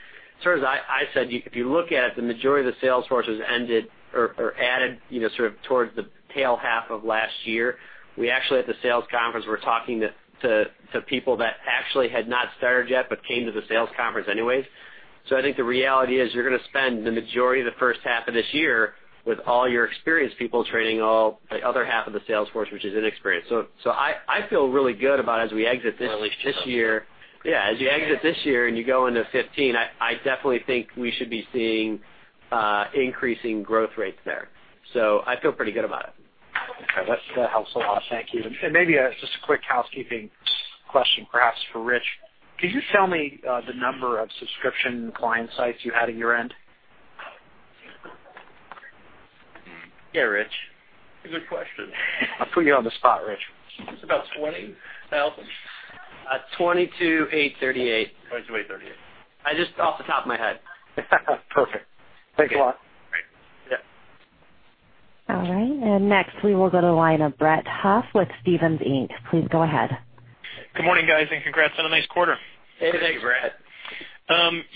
As I said, if you look at it, the majority of the sales forces ended or added sort of towards the tail half of last year. We actually, at the sales conference, were talking to people that actually had not started yet but came to the sales conference anyways. I think the reality is you're going to spend the majority of the first half of this year with all your experienced people training the other half of the sales force, which is inexperienced. I feel really good about as we exit this year. At least to some. Yeah, as you exit this year and you go into 2015, I definitely think we should be seeing increasing growth rates there. I feel pretty good about it. Okay. That helps a lot. Thank you. Maybe just a quick housekeeping question perhaps for Rich. Could you tell me the number of subscription client sites you had at year-end? Yeah, Rich. Good question. I'll put you on the spot, Rich. It's about 20,000. 22,838. 22,838. Just off the top of my head. Perfect. Thanks a lot. Great. Yep. Next we will go to the line of Brett Huff with Stephens Inc. Please go ahead. Good morning, guys, and congrats on a nice quarter. Hey. Thank you, Brett.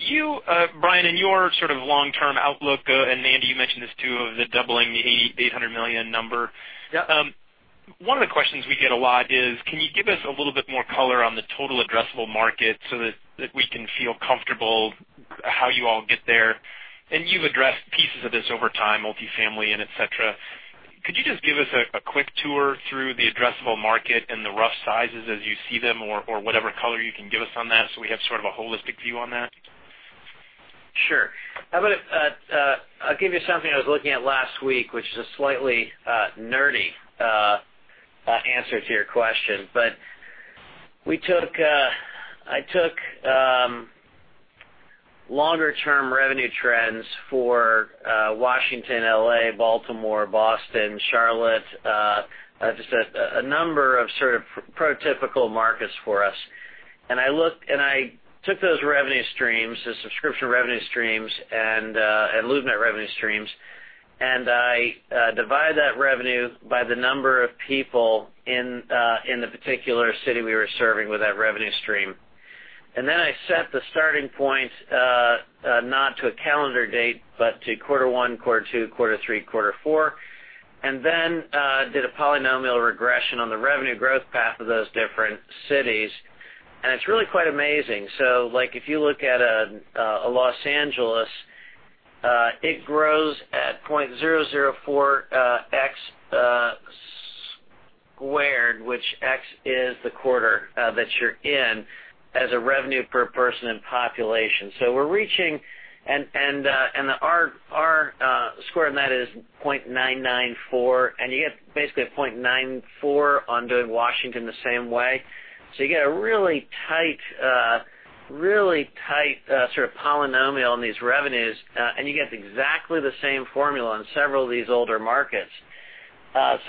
You, Brian, in your sort of long-term outlook, and Andy, you mentioned this too, of the doubling the $800 million number. Yep. One of the questions we get a lot is, can you give us a little bit more color on the total addressable market so that we can feel comfortable how you all get there? You've addressed pieces of this over time, multifamily and et cetera. Could you just give us a quick tour through the addressable market and the rough sizes as you see them or whatever color you can give us on that so we have sort of a holistic view on that? Sure. I'll give you something I was looking at last week, which is a slightly nerdy answer to your question. I took longer-term revenue trends for Washington, L.A., Baltimore, Boston, Charlotte, just a number of sort of prototypical markets for us. I took those revenue streams, the subscription revenue streams, and LoopNet revenue streams, I divided that revenue by the number of people in the particular city we were serving with that revenue stream. Then I set the starting point, not to a calendar date, but to quarter one, quarter two, quarter three, quarter four, and then did a polynomial regression on the revenue growth path of those different cities. It's really quite amazing. Like if you look at Los Angeles, it grows at 0.004x squared, which x is the quarter that you're in as a revenue per person in population. We're reaching, our square on that is 0.994, and you get basically a 0.94 on doing Washington the same way. You get a really tight sort of polynomial on these revenues, and you get exactly the same formula on several of these older markets.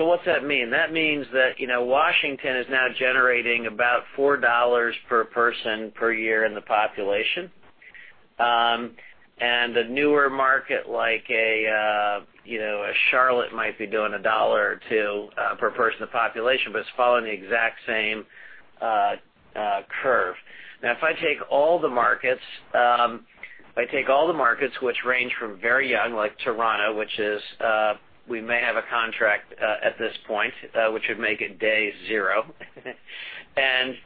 What's that mean? That means that Washington is now generating about $4 per person per year in the population. A newer market like a Charlotte might be doing $1 or $2 per person of population, but it's following the exact same curve. Now, if I take all the markets which range from very young like Toronto, which is, we may have a contract at this point, which would make it day zero. An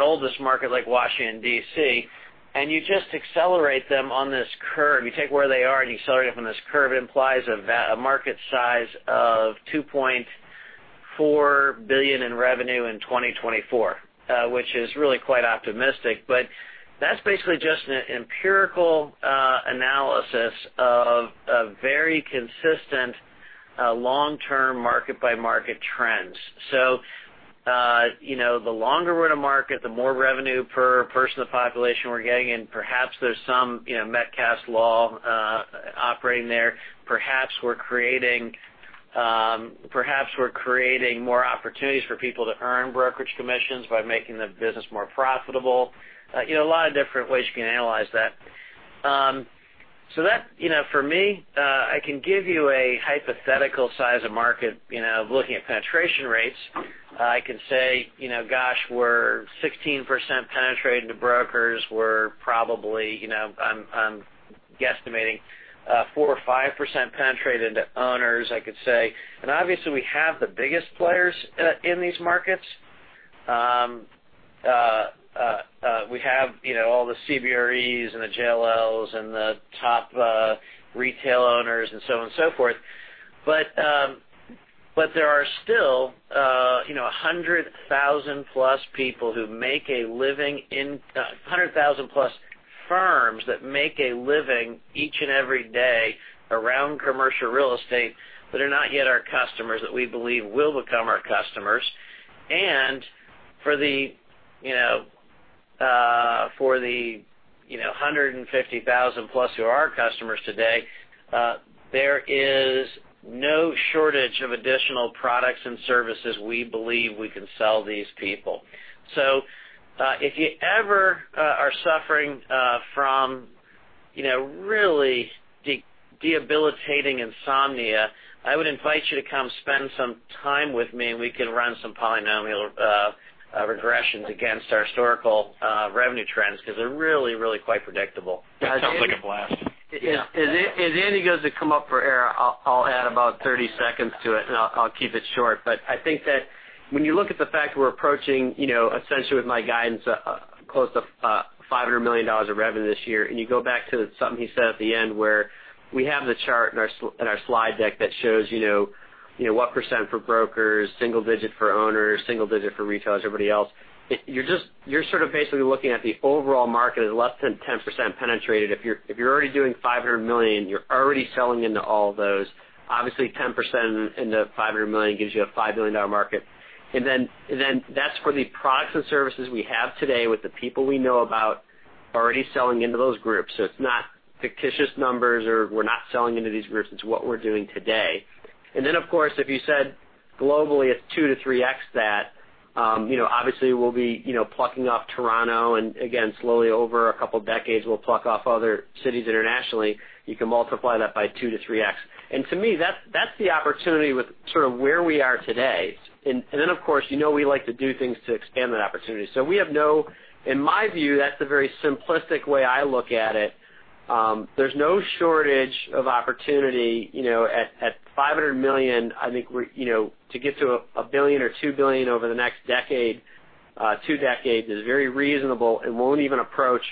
oldest market like Washington, D.C., and you just accelerate them on this curve, you take where they are, and you accelerate them on this curve, it implies a market size of $2.4 billion in revenue in 2024, which is really quite optimistic. That's basically just an empirical analysis of very consistent long-term market by market trends. The longer we're in a market, the more revenue per person of population we're getting, and perhaps there's some Metcalfe's law operating there. Perhaps we're creating more opportunities for people to earn brokerage commissions by making the business more profitable. A lot of different ways you can analyze that. That, for me, I can give you a hypothetical size of market of looking at penetration rates. I can say, gosh, we're 16% penetrated into brokers. We're probably, I'm guesstimating, 4% or 5% penetrated to owners, I could say. Obviously, we have the biggest players in these markets. We have all the CBRE and the JLLs and the top retail owners and so on and so forth. There are still 100,000-plus firms that make a living each and every day around commercial real estate that are not yet our customers that we believe will become our customers. For the 150,000-plus who are our customers today, there is no shortage of additional products and services we believe we can sell these people. If you ever are suffering from really debilitating insomnia, I would invite you to come spend some time with me, and we can run some polynomial regressions against our historical revenue trends because they're really quite predictable. That sounds like a blast. If Andy goes to come up for air, I'll add about 30 seconds to it, and I'll keep it short. I think that when you look at the fact we're approaching, essentially with my guidance, close to $500 million of revenue this year. You go back to something he said at the end where we have the chart in our slide deck that shows what % for brokers, single digit for owners, single digit for retailers, everybody else. You're sort of basically looking at the overall market as less than 10% penetrated. If you're already doing $500 million, you're already selling into all of those. Obviously, 10% into $500 million gives you a $5 billion market. Then that's for the products and services we have today with the people we know about already selling into those groups. It's not fictitious numbers or we're not selling into these groups. It's what we're doing today. Then, of course, if you said globally it's 2x to 3x that, obviously we'll be plucking off Toronto, and again, slowly over a couple of decades, we'll pluck off other cities internationally. You can multiply that by 2x to 3x. To me, that's the opportunity with sort of where we are today. Then, of course, you know we like to do things to expand that opportunity. In my view, that's the very simplistic way I look at it. There's no shortage of opportunity at $500 million. I think to get to a billion or $2 billion over the next decade, two decades is very reasonable and won't even approach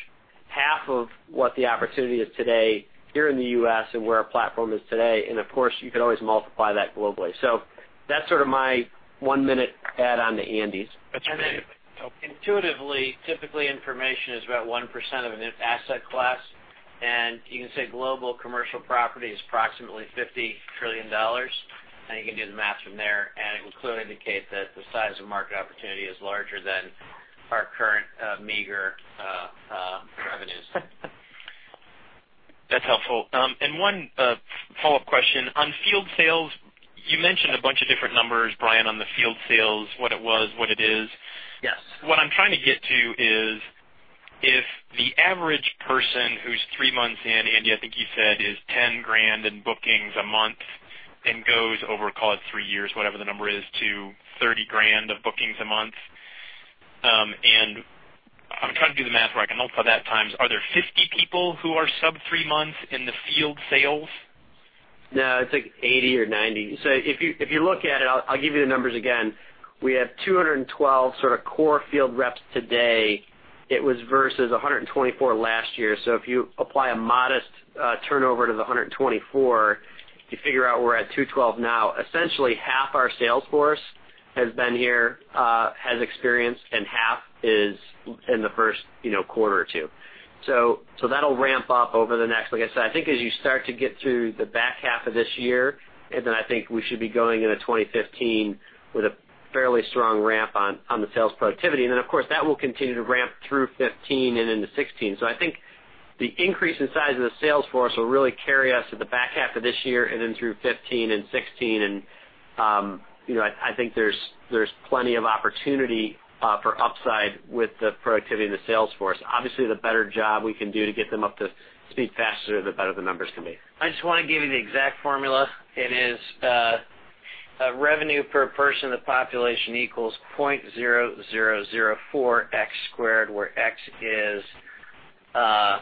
half of what the opportunity is today here in the U.S. and where our platform is today. Of course, you could always multiply that globally. That's sort of my 1-minute add-on to Andy's. That's great. Intuitively, typically, information is about 1% of an asset class. You can say global commercial property is approximately $50 trillion. You can do the math from there. It will clearly indicate that the size of market opportunity is larger than our current meager revenues. That's helpful. One follow-up question. On field sales, you mentioned a bunch of different numbers, Brian, on the field sales, what it was, what it is. Yes. What I'm trying to get to is if the average person who's three months in, Andy, I think you said is $10,000 in bookings a month and goes over, call it three years, whatever the number is, to $30,000 of bookings a month. I'm trying to do the math where I can multiply that times Are there 50 people who are sub-three months in the field sales? No, it's like 80 or 90. If you look at it, I'll give you the numbers again. We have 212 sort of core field reps today. It was versus 124 last year. If you apply a modest turnover to the 124, you figure out we're at 212 now. Essentially half our sales force has been here, has experience, and half is in the first quarter or two. That'll ramp up over the like I said, I think as you start to get through the back half of this year, I think we should be going into 2015 with a fairly strong ramp on the sales productivity. Of course, that will continue to ramp through 2015 and into 2016. I think the increase in size of the sales force will really carry us to the back half of this year through 2015 and 2016. I think there's plenty of opportunity for upside with the productivity of the sales force. Obviously, the better job we can do to get them up to speed faster, the better the numbers can be. I just want to give you the exact formula. It is revenue per person. The population equals 0.0004x squared, where x is the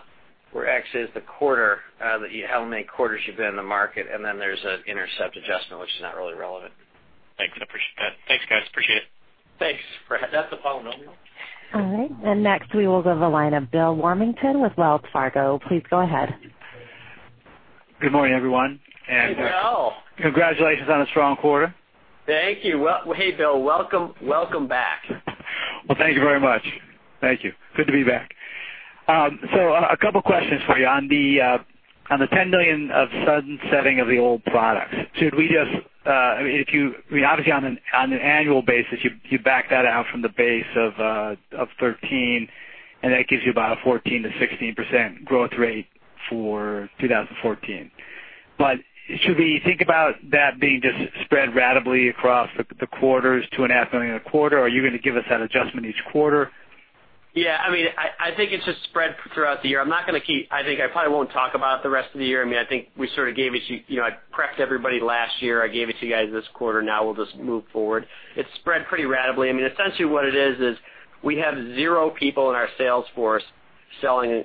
quarter, how many quarters you've been in the market, there's an intercept adjustment, which is not really relevant. Thanks. I appreciate that. Thanks, guys. Appreciate it. Thanks, Brett. That's a polynomial. All right. Next, we will go to the line of Bill Warmington with Wells Fargo. Please go ahead. Good morning, everyone. Hey, Bill. Congratulations on a strong quarter. Thank you. Hey, Bill, welcome back. Thank you very much. Thank you. Good to be back. A couple questions for you. On the $10 million of sunsetting of the old product. Obviously, on an annual basis, you back that out from the base of $13, and that gives you about a 14%-16% growth rate for 2014. Should we think about that being just spread ratably across the quarters to a half a million a quarter? Are you going to give us that adjustment each quarter? I think it's just spread throughout the year. I think I probably won't talk about it the rest of the year. I think I prepped everybody last year. I gave it to you guys this quarter. We'll just move forward. It's spread pretty ratably. Essentially what it is we have zero people in our sales force selling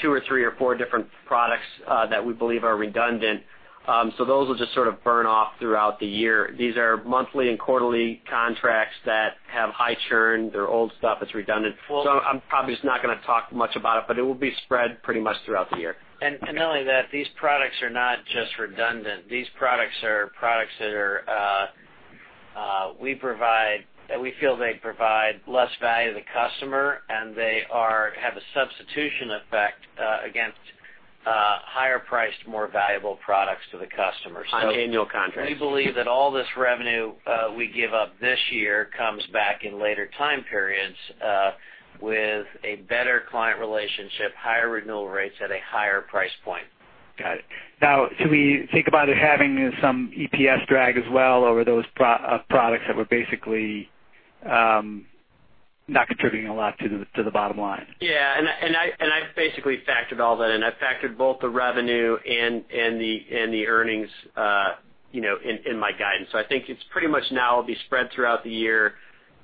two or three or four different products that we believe are redundant. Those will just sort of burn off throughout the year. These are monthly and quarterly contracts that have high churn. They're old stuff that's redundant. I'm probably just not going to talk much about it, but it will be spread pretty much throughout the year. Not only that, these products are not just redundant. These products are products that we feel they provide less value to the customer, and they have a substitution effect against higher-priced, more valuable products to the customer. On annual contracts. We believe that all this revenue we give up this year comes back in later time periods with a better client relationship, higher renewal rates at a higher price point. Got it. Now, should we think about it having some EPS drag as well over those products that were basically not contributing a lot to the bottom line? Yeah, I've basically factored all that in. I factored both the revenue and the earnings in my guidance. I think it's pretty much now will be spread throughout the year,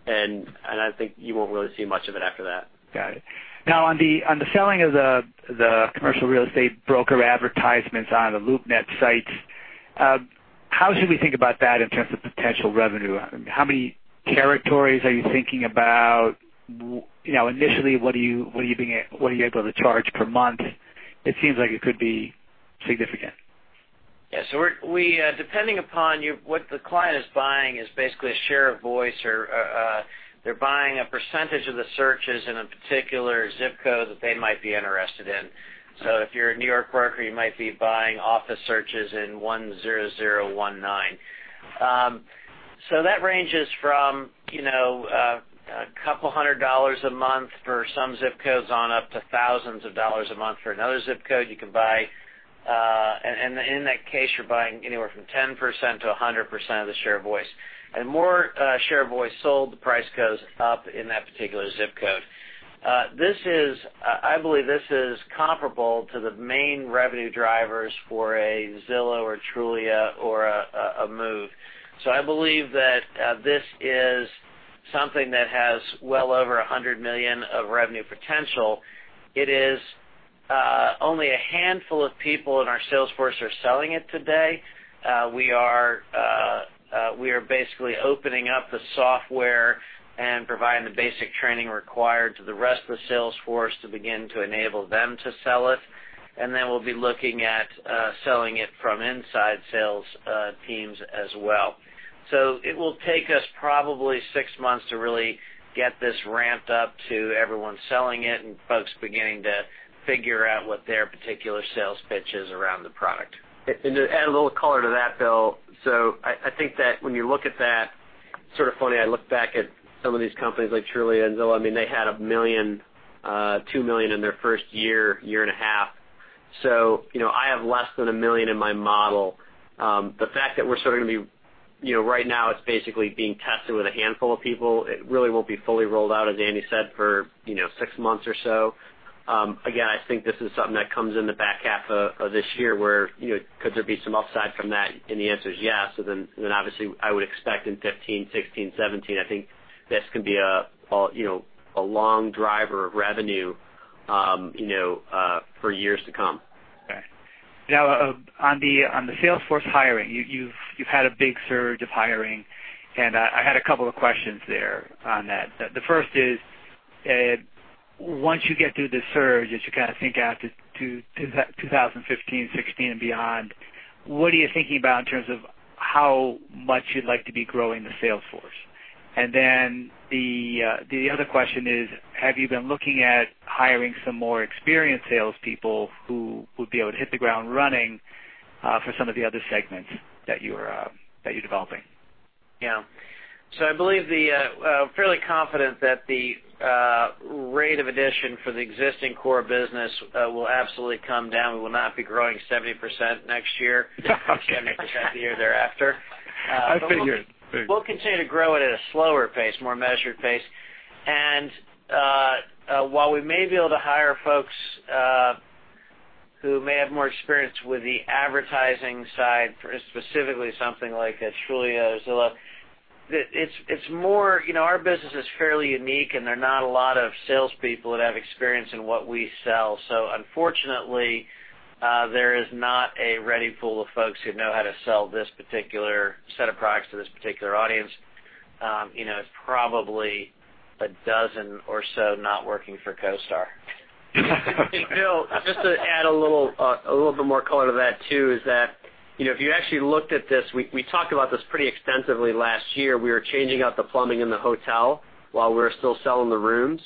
and I think you won't really see much of it after that. Got it. Now, on the selling of the commercial real estate broker advertisements on the LoopNet sites, how should we think about that in terms of potential revenue? How many territories are you thinking about? Initially, what are you able to charge per month? It seems like it could be significant. Depending upon what the client is buying is basically a share of voice or they're buying a percentage of the searches in a particular ZIP code that they might be interested in. If you're a New York broker, you might be buying office searches in 10019. That ranges from a couple hundred dollars a month for some ZIP codes on up to thousands of dollars a month for another ZIP code you can buy. In that case, you're buying anywhere from 10%-100% of the share voice. More share voice sold, the price goes up in that particular ZIP code. I believe this is comparable to the main revenue drivers for a Zillow or Trulia or a Move. I believe that this is something that has well over $100 million of revenue potential. It is only a handful of people in our sales force are selling it today. We are basically opening up the software and providing the basic training required to the rest of the sales force to begin to enable them to sell it. Then we'll be looking at selling it from inside sales teams as well. It will take us probably 6 months to really get this ramped up to everyone selling it and folks beginning to figure out what their particular sales pitch is around the product. To add a little color to that, Bill. I think that when you look at that, sort of funny, I look back at some of these companies like Trulia and Zillow, they had $1 million, $2 million in their first year and a half. I have less than $1 million in my model. The fact that we're sort of right now it's basically being tested with a handful of people. It really won't be fully rolled out, as Andy said, for 6 months or so. Again, I think this is something that comes in the back half of this year where could there be some upside from that? The answer is yes. Obviously I would expect in 2015, 2016, 2017, I think this can be a long driver of revenue for years to come. Okay. Now on the sales force hiring, you've had a big surge of hiring, I had a couple of questions there on that. The first is, once you get through the surge, as you kind of think out to 2015, 2016, and beyond, what are you thinking about in terms of how much you'd like to be growing the sales force? Then the other question is, have you been looking at hiring some more experienced salespeople who would be able to hit the ground running for some of the other segments that you're developing? I'm fairly confident that the rate of addition for the existing core business will absolutely come down. We will not be growing 70% next year, 70% the year thereafter. I figured. We'll continue to grow it at a slower pace, more measured pace. While we may be able to hire folks who may have more experience with the advertising side, for specifically something like a Trulia or Zillow, our business is fairly unique, and there are not a lot of salespeople that have experience in what we sell. Unfortunately, there is not a ready pool of folks who know how to sell this particular set of products to this particular audience. It's probably a dozen or so not working for CoStar. Bill, just to add a little bit more color to that too, is that if you actually looked at this, we talked about this pretty extensively last year. We were changing out the plumbing in the hotel while we were still selling the rooms.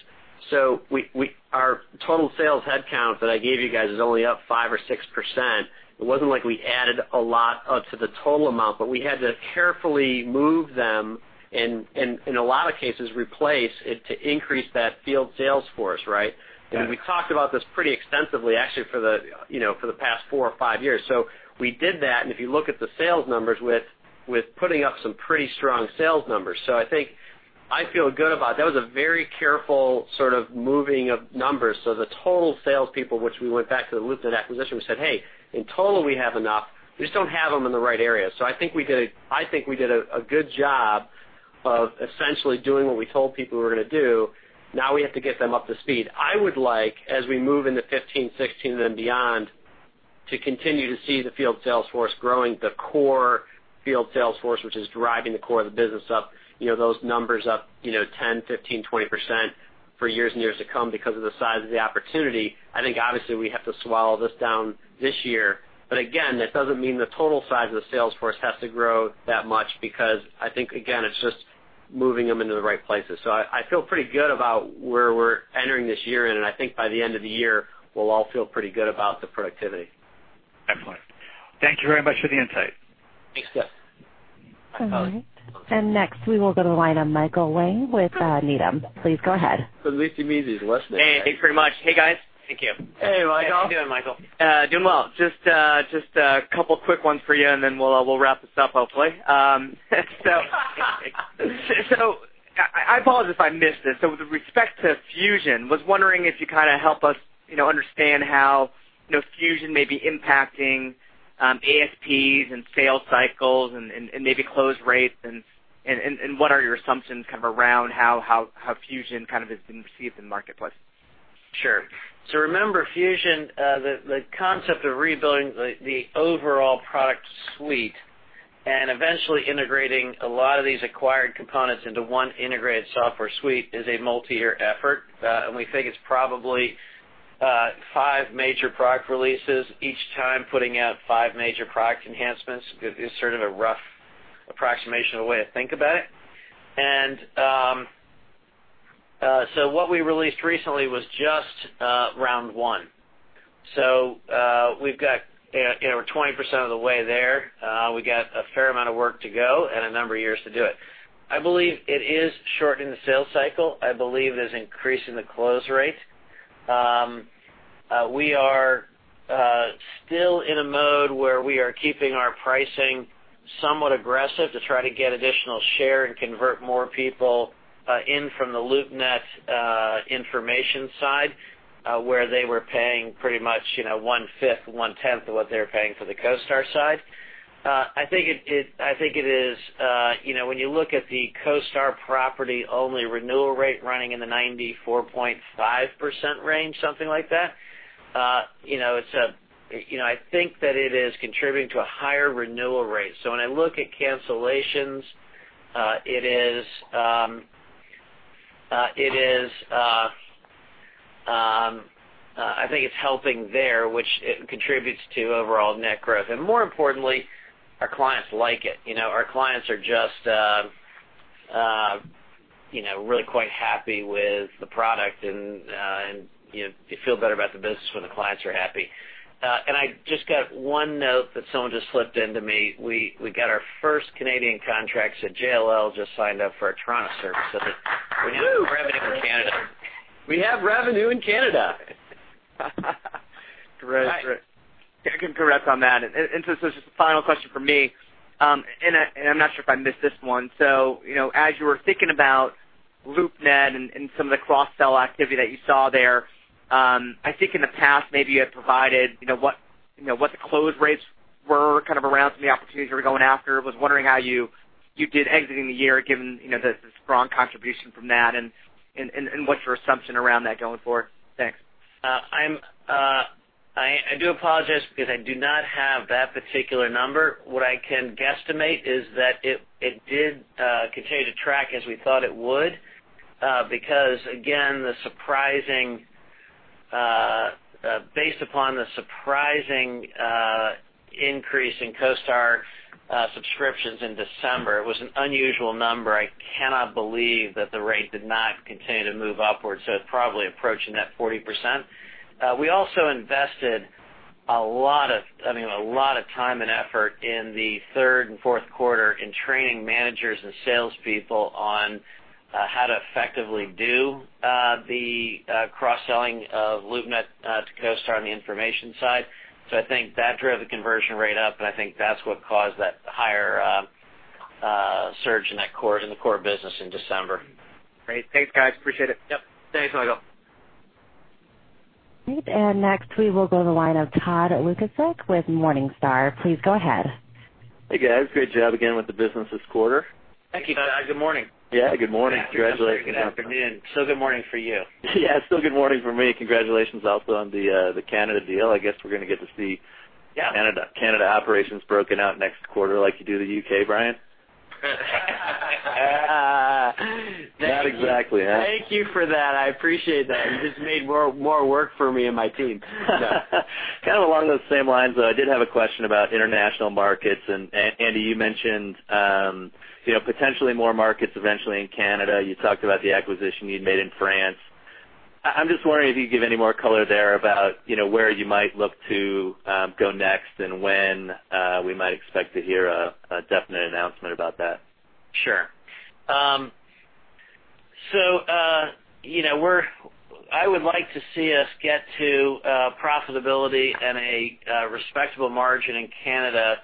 Our total sales headcount that I gave you guys is only up 5% or 6%. It wasn't like we added a lot to the total amount, but we had to carefully move them and in a lot of cases, replace it to increase that field sales force. Right? Yes. We talked about this pretty extensively, actually, for the past four or five years. We did that, and if you look at the sales numbers, with putting up some pretty strong sales numbers. I feel good about it. That was a very careful sort of moving of numbers. The total salespeople, which we went back to the LoopNet acquisition, we said, "Hey, in total, we have enough. We just don't have them in the right area." I think we did a good job of essentially doing what we told people we were going to do. Now we have to get them up to speed. I would like, as we move into 2015, 2016, and then beyond, to continue to see the field sales force growing, the core field sales force, which is driving the core of the business up, those numbers up 10%, 15%, 20% for years and years to come because of the size of the opportunity. I think obviously we have to swallow this down this year, but again, that doesn't mean the total size of the sales force has to grow that much because I think, again, it's just moving them into the right places. I feel pretty good about where we're entering this year in, and I think by the end of the year, we'll all feel pretty good about the productivity. Excellent. Thank you very much for the insight. Thanks, Jeff. Next, we will go to the line of Michael Wang with Needham. Please go ahead. [inaudible] who's listening? Hey, thank you very much. Hey, guys. Thank you. Hey, Michael. How you doing, Michael? Doing well. Just a couple of quick ones for you, and then we'll wrap this up hopefully. I apologize if I missed this. With respect to Fusion, was wondering if you kind of help us understand how Fusion may be impacting ASPs and sales cycles and maybe close rates and what are your assumptions kind of around how Fusion kind of has been received in the marketplace. Sure. Remember, Fusion, the concept of rebuilding the overall product suite and eventually integrating a lot of these acquired components into one integrated software suite is a multi-year effort. We think it's probably five major product releases each time, putting out five major product enhancements is sort of a rough approximation of a way to think about it. What we released recently was just round one. We've got 20% of the way there. We got a fair amount of work to go and a number of years to do it. I believe it is shortening the sales cycle. I believe it is increasing the close rate. We are still in a mode where we are keeping our pricing somewhat aggressive to try to get additional share and convert more people in from the LoopNet information side, where they were paying pretty much one-fifth, one-tenth of what they were paying for the CoStar side. When you look at the CoStar property-only renewal rate running in the 94.5% range, something like that, I think that it is contributing to a higher renewal rate. When I look at cancellations, I think it's helping there, which contributes to overall net growth. More importantly, our clients like it. Our clients are just really quite happy with the product, and you feel better about the business when the clients are happy. I just got one note that someone just slipped into me. We got our first Canadian contract, JLL just signed up for our Toronto services. Revenue in Canada. We have revenue in Canada. Great. I can correct on that. This is the final question from me. I'm not sure if I missed this one. As you were thinking about LoopNet and some of the cross-sell activity that you saw there, I think in the past maybe you had provided what the close rates were kind of around some of the opportunities you were going after. I was wondering how you did exiting the year given the strong contribution from that and what's your assumption around that going forward? Thanks. I do apologize because I do not have that particular number. What I can guesstimate is that it did continue to track as we thought it would because, again, based upon the surprising increase in CoStar subscriptions in December, it was an unusual number. I cannot believe that the rate did not continue to move upwards, so it's probably approaching that 40%. We also invested A lot of time and effort in the third and fourth quarter in training managers and salespeople on how to effectively do the cross-selling of LoopNet to CoStar on the information side. I think that drove the conversion rate up, and I think that's what caused that higher surge in the core business in December. Great. Thanks, guys. Appreciate it. Yep. Thanks, Michael. Great. Next, we will go to the line of Todd Lukasik with Morningstar. Please go ahead. Hey, guys. Great job again with the business this quarter. Thank you, Todd. Good morning. Yeah, good morning. Congratulations. good afternoon. Still good morning for you. Yeah, still good morning for me. Congratulations also on the Canada deal. I guess we're going to get to see. Yeah Canada operations broken out next quarter like you do the U.K., Brian? Not exactly, huh? Thank you for that. I appreciate that. You just made more work for me and my team. Kind of along those same lines, though, I did have a question about international markets. Andy, you mentioned potentially more markets eventually in Canada. You talked about the acquisition you'd made in France. I'm just wondering if you could give any more color there about where you might look to go next and when we might expect to hear a definite announcement about that. Sure. I would like to see us get to profitability and a respectable margin in Canada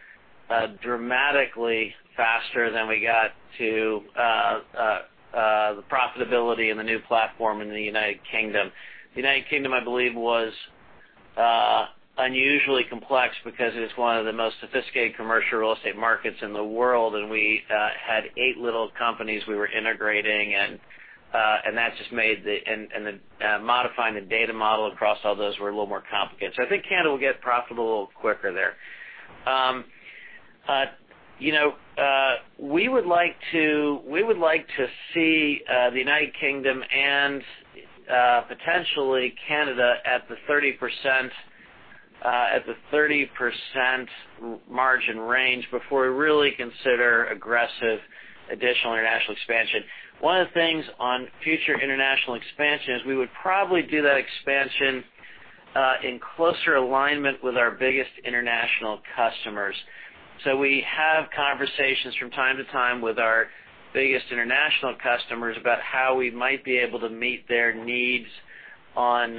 dramatically faster than we got to the profitability in the new platform in the United Kingdom. The United Kingdom, I believe, was unusually complex because it is one of the most sophisticated commercial real estate markets in the world, and we had eight little companies we were integrating, and modifying the data model across all those were a little more complicated. I think Canada will get profitable quicker there. We would like to see the United Kingdom and potentially Canada at the 30% margin range before we really consider aggressive additional international expansion. One of the things on future international expansion is we would probably do that expansion in closer alignment with our biggest international customers. We have conversations from time to time with our biggest international customers about how we might be able to meet their needs to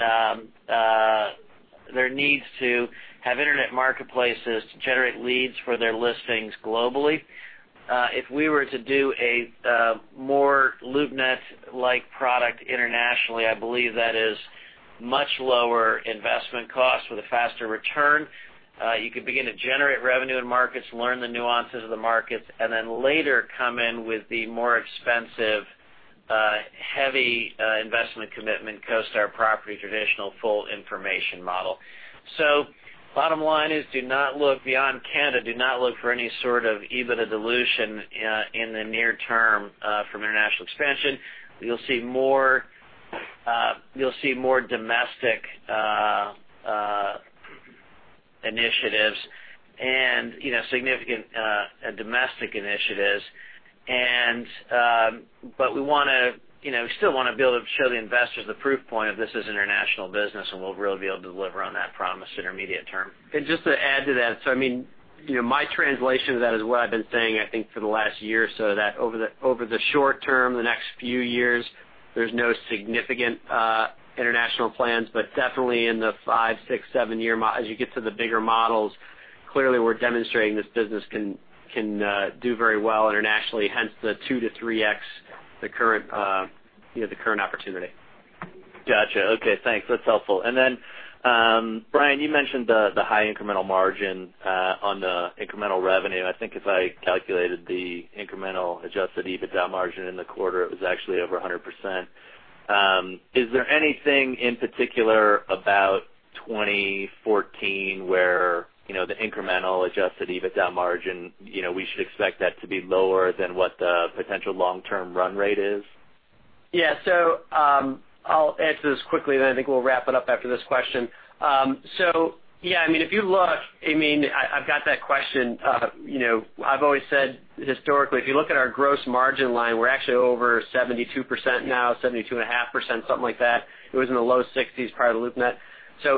have internet marketplaces to generate leads for their listings globally. If we were to do a more LoopNet-like product internationally, I believe that is much lower investment cost with a faster return. You could begin to generate revenue in markets, learn the nuances of the markets, and then later come in with the more expensive, heavy investment commitment CoStar property traditional full information model. Bottom line is, beyond Canada, do not look for any sort of EBITDA dilution in the near term from international expansion. You'll see more domestic initiatives and significant domestic initiatives. We still want to be able to show the investors the proof point of this as international business, and we'll really be able to deliver on that promise intermediate term. Just to add to that, my translation of that is what I've been saying, I think, for the last year or so, that over the short term, the next few years, there's no significant international plans. Definitely in the five, six, seven year mark, as you get to the bigger models, clearly we're demonstrating this business can do very well internationally, hence the 2x-3x the current opportunity. Got you. Okay, thanks. That's helpful. Brian, you mentioned the high incremental margin on the incremental revenue. I think if I calculated the incremental adjusted EBITDA margin in the quarter, it was actually over 100%. Is there anything in particular about 2014 where the incremental adjusted EBITDA margin we should expect that to be lower than what the potential long-term run rate is? Yeah. I'll answer this quickly, then I think we'll wrap it up after this question. If you look, I've got that question. I've always said historically, if you look at our gross margin line, we're actually over 72% now, 72.5%, something like that. It was in the low 60s prior to LoopNet.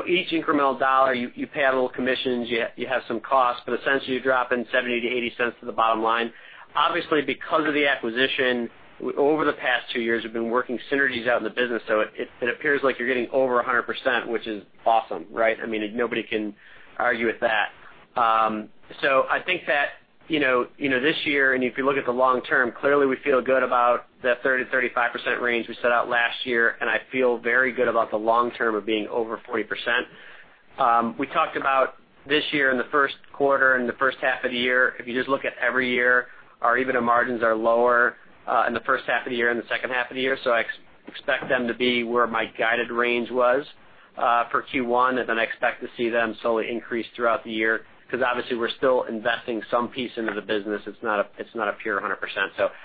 Each incremental dollar, you pay out little commissions, you have some costs, but essentially you're dropping $0.70-$0.80 to the bottom line. Obviously, because of the acquisition, over the past two years, we've been working synergies out in the business, it appears like you're getting over 100%, which is awesome, right? Nobody can argue with that. I think that this year, and if you look at the long term, clearly we feel good about the 30%-35% range we set out last year, and I feel very good about the long term of being over 40%. We talked about this year in the first quarter and the first half of the year. If you just look at every year, our EBITDA margins are lower in the first half of the year and the second half of the year. I expect them to be where my guided range was for Q1, then I expect to see them slowly increase throughout the year because obviously we're still investing some piece into the business. It's not a pure 100%.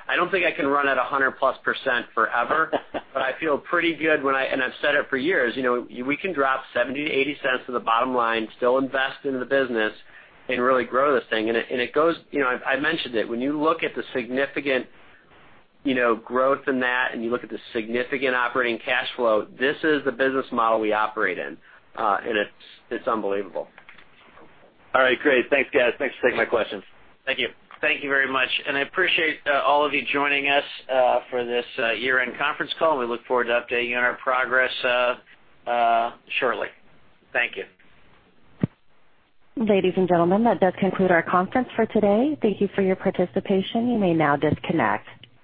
I don't think I can run at 100%-plus forever. But I feel pretty good when I've said it for years. We can drop $0.70-$0.80 to the bottom line, still invest in the business, and really grow this thing. I mentioned it, when you look at the significant growth in that, and you look at the significant operating cash flow, this is the business model we operate in. It's unbelievable. All right, great. Thanks, guys. Thanks for taking my questions. Thank you. Thank you very much. I appreciate all of you joining us for this year-end conference call. We look forward to updating you on our progress shortly. Thank you. Ladies and gentlemen, that does conclude our conference for today. Thank you for your participation. You may now disconnect.